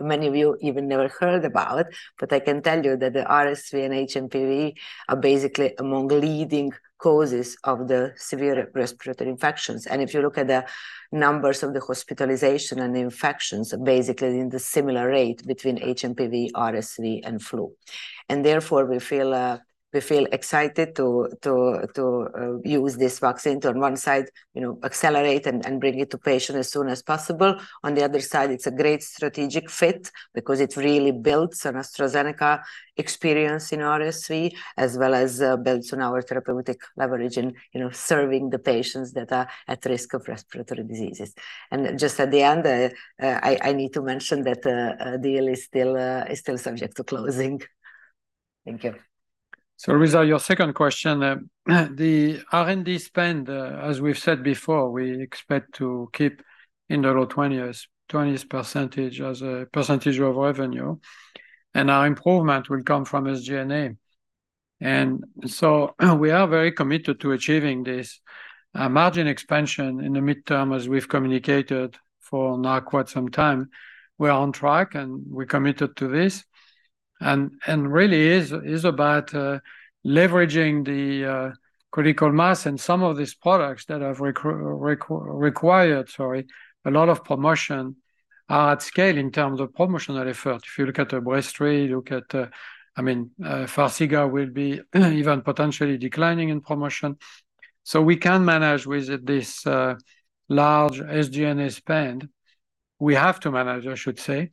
many of you even never heard about, but I can tell you that the RSV and hMPV are basically among leading causes of the severe respiratory infections. And if you look at the numbers of the hospitalization and infections, basically in the similar rate between hMPV, RSV, and flu. And therefore, we feel excited to use this vaccine to, on one side, you know, accelerate and bring it to patient as soon as possible. On the other side, it's a great strategic fit because it really builds on AstraZeneca experience in RSV, as well as, builds on our therapeutic leverage in, you know, serving the patients that are at risk of respiratory diseases. And just at the end, I need to mention that the deal is still subject to closing. Thank you. So Louisa, your second question, the R&D spend, as we've said before, we expect to keep in the low 20s, 20s% as a percentage of revenue, and our improvement will come from SG&A. So we are very committed to achieving this margin expansion in the midterm, as we've communicated for now quite some time. We are on track, and we're committed to this, and really is about leveraging the critical mass and some of these products that have required, sorry, a lot of promotion at scale in terms of promotional effort. If you look at Breztri, look at, I mean, Farxiga will be even potentially declining in promotion. So we can manage with this large SG&A spend. We have to manage, I should say,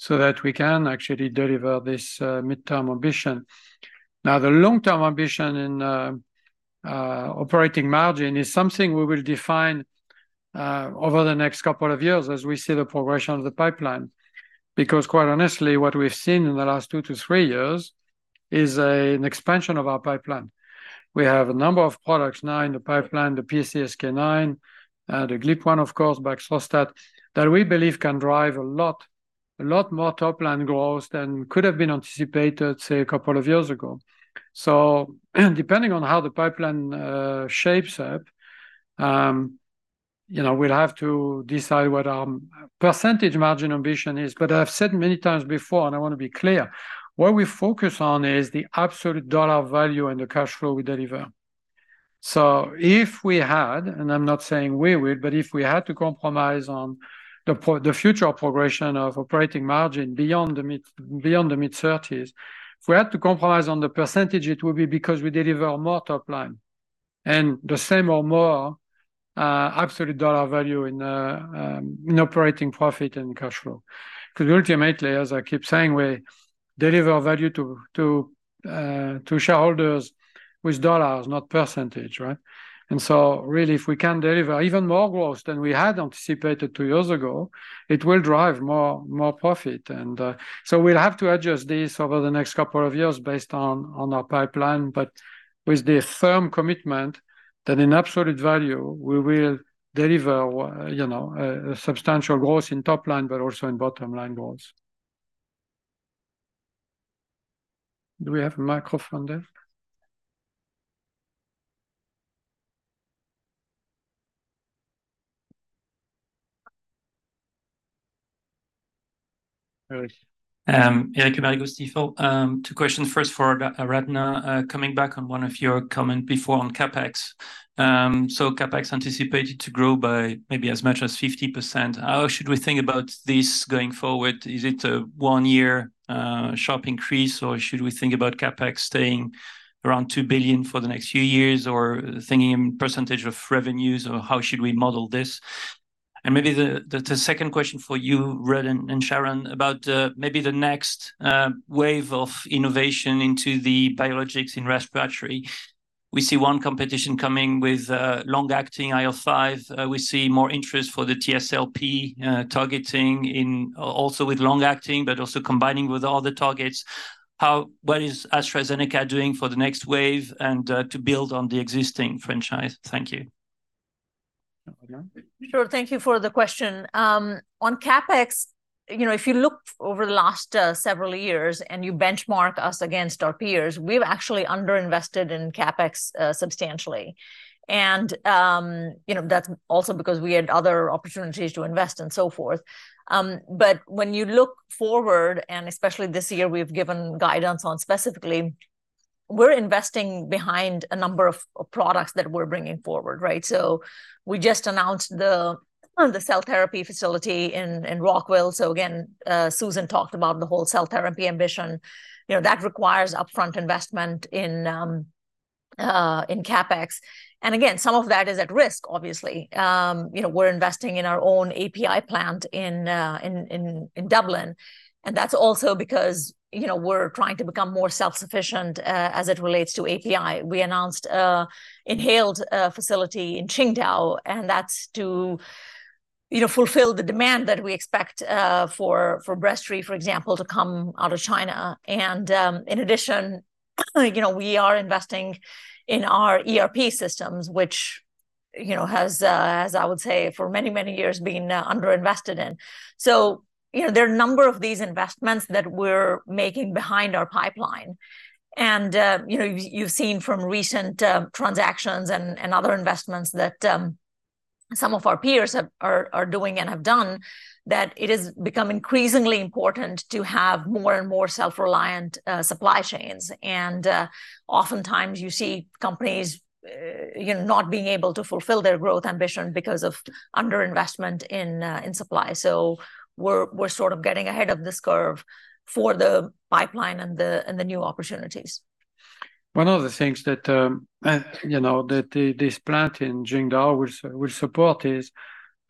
so that we can actually deliver this midterm ambition. Now, the long-term ambition in operating margin is something we will define over the next couple of years as we see the progression of the pipeline, because quite honestly, what we've seen in the last two to three years is an expansion of our pipeline. We have a number of products now in the pipeline, the PCSK9, the GLP-1, of course, Baxdrostat, that we believe can drive a lot more top-line growth than could have been anticipated, say, a couple of years ago. So depending on how the pipeline shapes up, you know, we'll have to decide what our percentage margin ambition is. But I've said many times before, and I want to be clear, what we focus on is the absolute dollar value and the cash flow we deliver. So if we had, and I'm not saying we would, but if we had to compromise on the the future progression of operating margin beyond the mid, beyond the mid-thirties, if we had to compromise on the percentage, it would be because we deliver more top line and the same or more, absolute dollar value in, in operating profit and cash flow. 'Cause ultimately, as I keep saying, we deliver value to, to, to shareholders with dollars, not percentage, right? And so really, if we can deliver even more growth than we had anticipated two years ago, it will drive more, more profit. So we'll have to adjust this over the next couple of years based on our pipeline, but with the firm commitment that in absolute value, we will deliver, you know, a substantial growth in top line, but also in bottom line growth. Do we have a microphone there? Eric. Yeah. Two questions. First, for Aradhana. Coming back on one of your comment before on CapEx. So CapEx anticipated to grow by maybe as much as 50%. How should we think about this going forward? Is it a one-year sharp increase, or should we think about CapEx staying around $2 billion for the next few years, or thinking in percentage of revenues? Or how should we model this? And maybe the second question for you, Ruud and Sharon, about maybe the next wave of innovation into the biologics in respiratory. We see one competition coming with long-acting IL-5. We see more interest for the TSLP targeting in also with long-acting, but also combining with other targets. What is AstraZeneca doing for the next wave and to build on the existing franchise? Thank you. Aradna? Sure. Thank you for the question. On CapEx, you know, if you look over the last several years and you benchmark us against our peers, we've actually under-invested in CapEx substantially. And, you know, that's also because we had other opportunities to invest and so forth. But when you look forward, and especially this year, we've given guidance on specifically, we're investing behind a number of products that we're bringing forward, right? So we just announced the cell therapy facility in Rockville. So again, Susan talked about the whole cell therapy ambition. You know, that requires upfront investment in CapEx. And again, some of that is at risk, obviously. You know, we're investing in our own API plant in Dublin, and that's also because, you know, we're trying to become more self-sufficient as it relates to API. We announced an inhaled facility in Qingdao, and that's to, you know, fulfill the demand that we expect for Breztri, for example, to come out of China. And in addition, you know, we are investing in our ERP systems, which, you know, has, as I would say, for many, many years, been under-invested in. So, you know, there are a number of these investments that we're making behind our pipeline, and, you know, you've seen from recent transactions and other investments that some of our peers have... are doing and have done, that it is become increasingly important to have more and more self-reliant supply chains. And oftentimes, you see companies, you know, not being able to fulfill their growth ambition because of under-investment in supply. So we're sort of getting ahead of this curve for the pipeline and the new opportunities. One of the things that, you know, that the, this plant in Qingdao will support is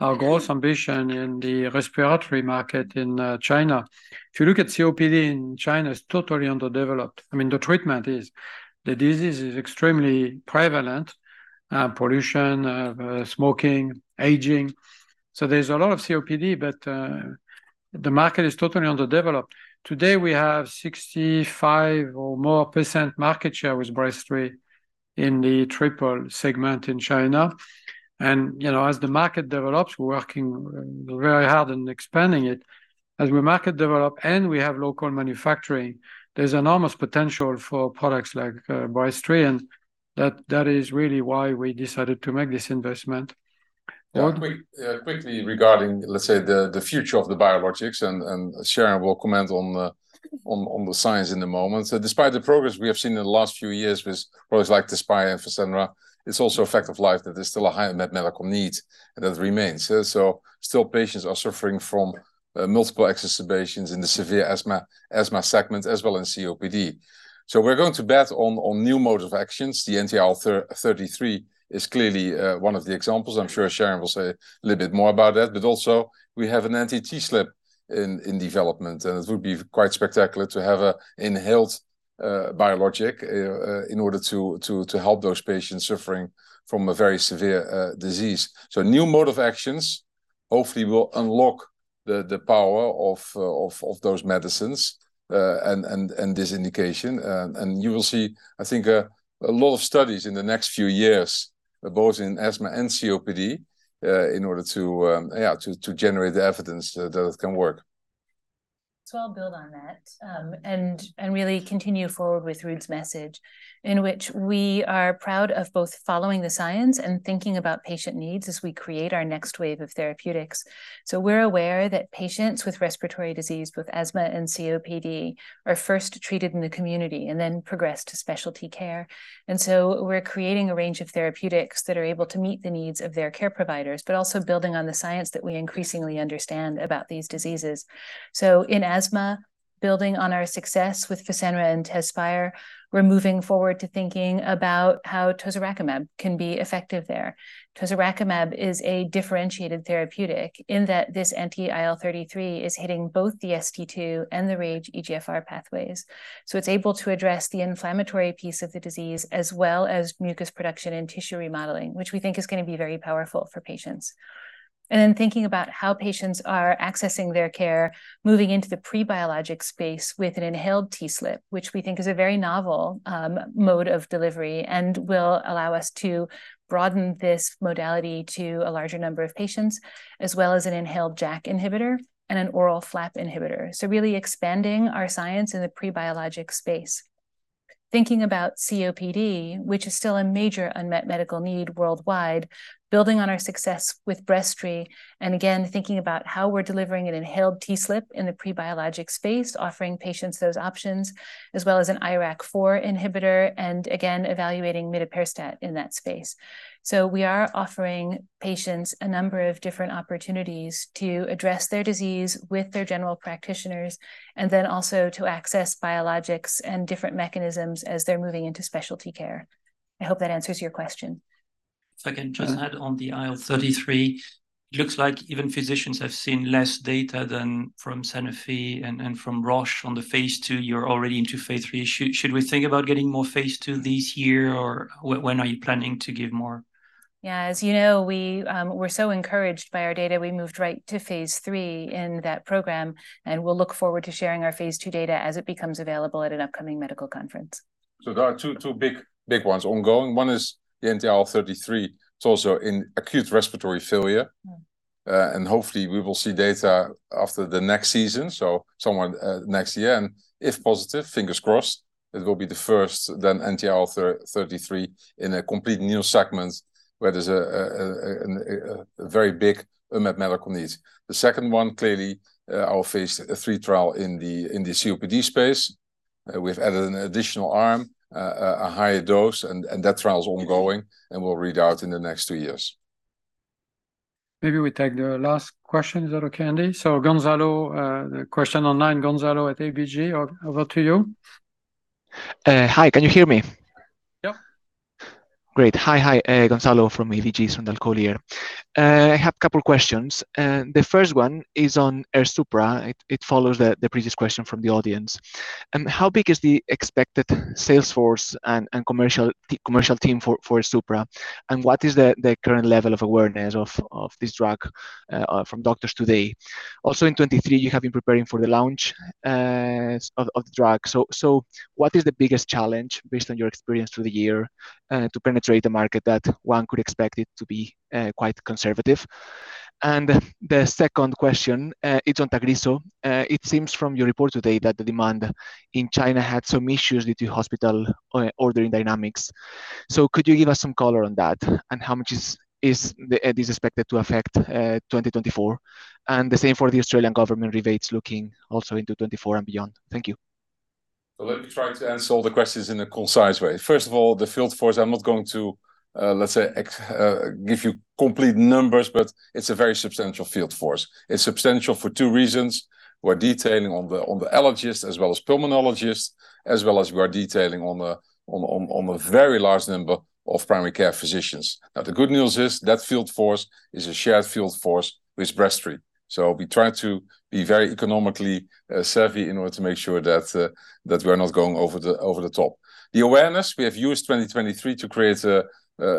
our growth ambition in the respiratory market in, China. If you look at COPD in China, it's totally underdeveloped. I mean, the treatment is. The disease is extremely prevalent, pollution, smoking, aging, so there's a lot of COPD, but, the market is totally underdeveloped. Today, we have 65% or more market share with Breztri in the triple segment in China. And, you know, as the market develops, we're working very hard on expanding it. As the market develop, and we have local manufacturing, there's enormous potential for products like, Breztri, and that, that is really why we decided to make this investment. Quickly regarding, let's say, the future of the biologics, and Sharon will comment on the science in a moment. So despite the progress we have seen in the last few years with products like Duspy and Fasenra, it's also a fact of life that there's still a high medical need that remains. So still patients are suffering from multiple exacerbations in the severe asthma, asthma segment, as well in COPD. So we're going to bet on new mode of actions. The anti-IL thirty-three is clearly one of the examples. I'm sure Sharon will say a little bit more about that. But also, we have an anti-TSLP in development, and it would be quite spectacular to have a inhaled biologic in order to help those patients suffering from a very severe disease. So new mode of actions hopefully will unlock the power of those medicines and this indication. And you will see, I think, a lot of studies in the next few years both in asthma and COPD in order to generate the evidence that it can work. So I'll build on that, and really continue forward with Ruud's message, in which we are proud of both following the science and thinking about patient needs as we create our next wave of therapeutics. So we're aware that patients with respiratory disease, both asthma and COPD, are first treated in the community, and then progress to specialty care. And so we're creating a range of therapeutics that are able to meet the needs of their care providers, but also building on the science that we increasingly understand about these diseases. So in asthma, building on our success with Fasenra and Tezspire, we're moving forward to thinking about how Toseracimab can be effective there. Toseracimab is a differentiated therapeutic in that this anti-IL-33 is hitting both the ST2 and the RAGE EGFR pathways. So it's able to address the inflammatory piece of the disease, as well as mucus production and tissue remodeling, which we think is going to be very powerful for patients. And then thinking about how patients are accessing their care, moving into the pre-biologic space with an inhaled TSLP, which we think is a very novel, mode of delivery, and will allow us to broaden this modality to a larger number of patients, as well as an inhaled JAK inhibitor and an oral FLAP inhibitor. So really expanding our science in the pre-biologic space. Thinking about COPD, which is still a major unmet medical need worldwide, building on our success with Breztri, and again, thinking about how we're delivering an inhaled TSLP in the pre-biologic space, offering patients those options, as well as an IRAK4 inhibitor, and again, evaluating Midapirstat in that space. We are offering patients a number of different opportunities to address their disease with their general practitioners, and then also to access biologics and different mechanisms as they're moving into specialty care. I hope that answers your question. If I can just add on the IL-33, it looks like even physicians have seen less data than from Sanofi and from Roche on the phase 2. You're already into phase 3. Should we think about getting more phase 2 this year, or when are you planning to give more? Yeah, as you know, we, we're so encouraged by our data, we moved right to phase 3 in that program, and we'll look forward to sharing our phase 2 data as it becomes available at an upcoming medical conference. So there are two big ones ongoing. One is the anti-IL-33. It's also in acute respiratory failure. And hopefully we will see data after the next season, so somewhat next year, and if positive, fingers crossed, it will be the first then anti-IL-33 in a complete new segment, where there's a very big unmet medical need. The second one, clearly, our phase 3 trial in the COPD space. We've added an additional arm, a higher dose, and that trial's ongoing, and will read out in the next two years. Maybe we take the last question. Is that okay, Andy? So Gonzalo, the question online, Gonzalo at ABG, over, over to you. Hi, can you hear me? Yep. Great. Hi, Gonzalo from ABG Sundal Collier. I have a couple questions, and the first one is on AIRSUPRA. It follows the previous question from the audience. How big is the expected sales force and commercial team for AIRSUPRA, and what is the current level of awareness of this drug from doctors today? Also, in 2023, you have been preparing for the launch of the drug, so what is the biggest challenge, based on your experience through the year, to penetrate the market that one could expect it to be quite conservative? And the second question, it's on Tagrisso. It seems from your report today that the demand in China had some issues due to hospital ordering dynamics. Could you give us some color on that, and how much is expected to affect 2024? The same for the Australian government rebates looking also into 2024 and beyond. Thank you. So let me try to answer all the questions in a concise way. First of all, the field force, I'm not going to, let's say, ex- give you complete numbers, but it's a very substantial field force. It's substantial for two reasons: we're detailing on the allergists, as well as pulmonologists, as well as we are detailing on the very large number of primary care physicians. Now, the good news is, that field force is a shared field force with Breztri, so we try to be very economically savvy in order to make sure that, that we're not going over the top. The awareness, we have used 2023 to create a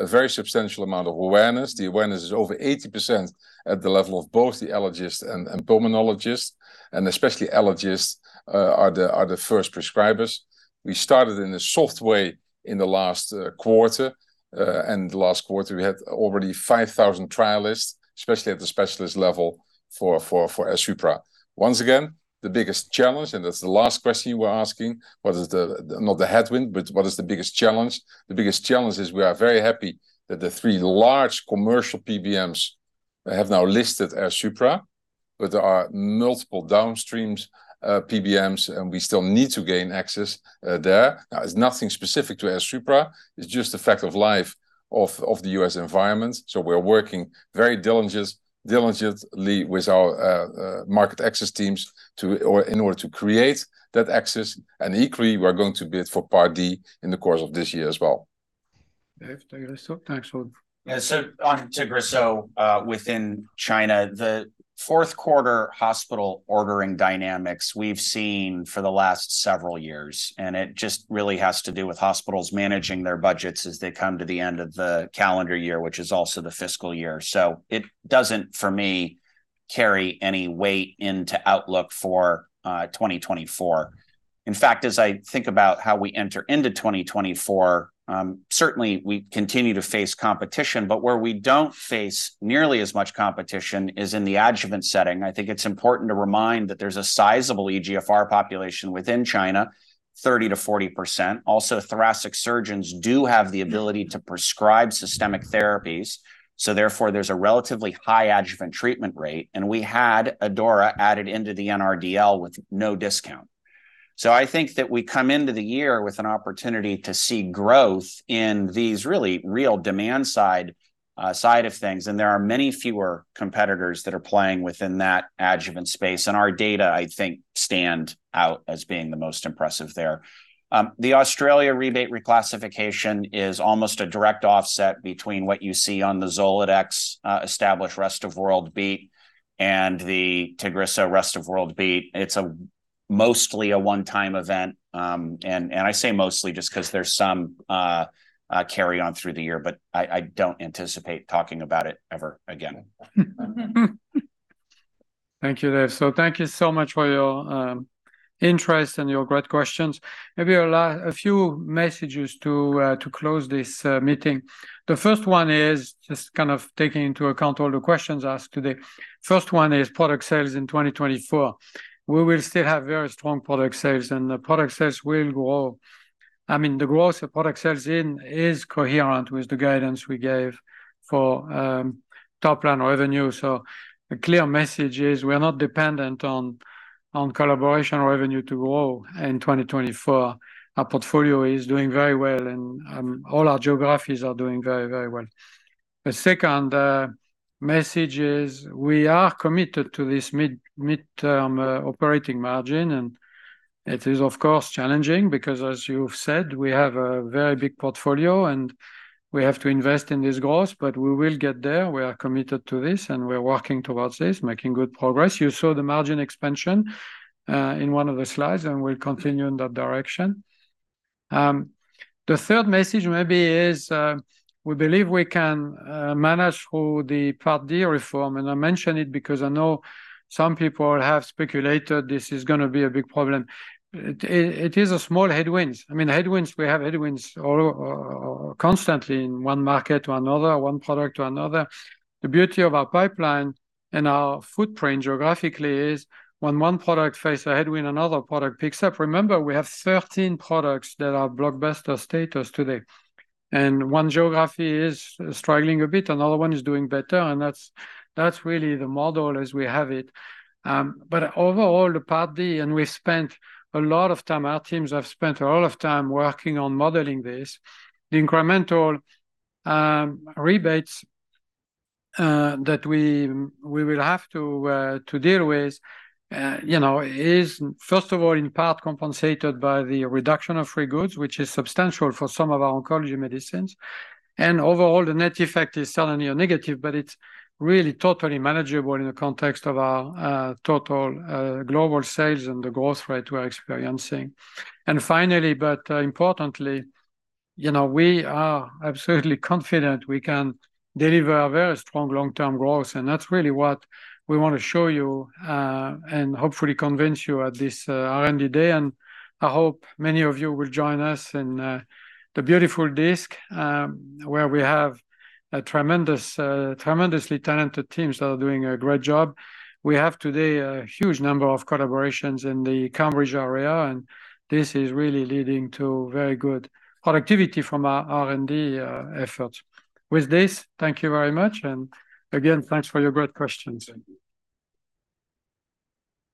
very substantial amount of awareness. The awareness is over 80% at the level of both the allergists and pulmonologists, and especially allergists are the first prescribers. We started in a soft way in the last quarter, and the last quarter we had already 5,000 trialists, especially at the specialist level, for AIRSUPRA. Once again, the biggest challenge, and that's the last question you were asking, what is the. not the headwind, but what is the biggest challenge? The biggest challenge is we are very happy that the three large commercial PBMs have now listed AIRSUPRA, but there are multiple downstream PBMs, and we still need to gain access there. Now, it's nothing specific to AIRSUPRA. It's just a fact of life of the U.S. environment, so we're working very diligently with our market access teams to, or in order to create that access, and equally, we're going to bid for Part D in the course of this year as well. If Tagrisso. Thanks, Ruud. Yeah, so on Tagrisso, within China, the Q4 hospital ordering dynamics we've seen for the last several years, and it just really has to do with hospitals managing their budgets as they come to the end of the calendar year, which is also the fiscal year. So it doesn't carry any weight into outlook for 2024. In fact, as I think about how we enter into 2024, certainly we continue to face competition, but where we don't face nearly as much competition is in the adjuvant setting. I think it's important to remind that there's a sizable EGFR population within China, 30%-40%. Also, thoracic surgeons do have the ability to prescribe systemic therapies, so therefore, there's a relatively high adjuvant treatment rate, and we had Tagrisso added into the NRDL with no discount. So I think that we come into the year with an opportunity to see growth in these really real demand side, side of things, and there are many fewer competitors that are playing within that adjuvant space. And our data, I think, stand out as being the most impressive there. The Australia rebate reclassification is almost a direct offset between what you see on the Zoladex, established rest of world beat, and the Tagrisso rest of world beat. It's a mostly a one-time event. And I say mostly just because there's some carry on through the year, but I don't anticipate talking about it ever again. Thank you, Dave. So thank you so much for your interest and your great questions. Maybe a few messages to close this meeting. The first one is just kind of taking into account all the questions asked today. First one is product sales in 2024. We will still have very strong product sales, and the product sales will grow. I mean, the growth of product sales in is coherent with the guidance we gave for top-line revenue. So the clear message is we are not dependent on collaboration revenue to grow in 2024. Our portfolio is doing very well, and all our geographies are doing very, very well. The second message is we are committed to this mid-term operating margin, and it is, of course, challenging because, as you've said, we have a very big portfolio, and we have to invest in this growth, but we will get there. We are committed to this, and we're working towards this, making good progress. You saw the margin expansion in one of the slides, and we'll continue in that direction. The third message maybe is we believe we can manage through the Part D reform, and I mention it because I know some people have speculated this is going to be a big problem. It is a small headwinds. I mean, headwinds, we have headwinds all constantly in one market to another, one product to another. The beauty of our pipeline and our footprint geographically is when one product faces a headwind, another product picks up. Remember, we have 13 products that are blockbuster status today, and one geography is struggling a bit, another one is doing better, and that's really the model as we have it. But overall, the Part D, and we spent a lot of time, our teams have spent a lot of time working on modeling this. The incremental rebates that we will have to deal with, you know, is, first of all, in part compensated by the reduction of free goods, which is substantial for some of our oncology medicines, and overall, the net effect is certainly a negative, but it's really totally manageable in the context of our total global sales and the growth rate we're experiencing. And finally, but importantly, you know, we are absolutely confident we can deliver a very strong long-term growth, and that's really what we want to show you, and hopefully convince you at this, R&D Day, and I hope many of you will join us in the beautiful Gothenburg, where we have a tremendous, tremendously talented teams that are doing a great job. We have today a huge number of collaborations in the Cambridge area, and this is really leading to very good productivity from our R&D, efforts. With this, thank you very much and again, thanks for your great questions.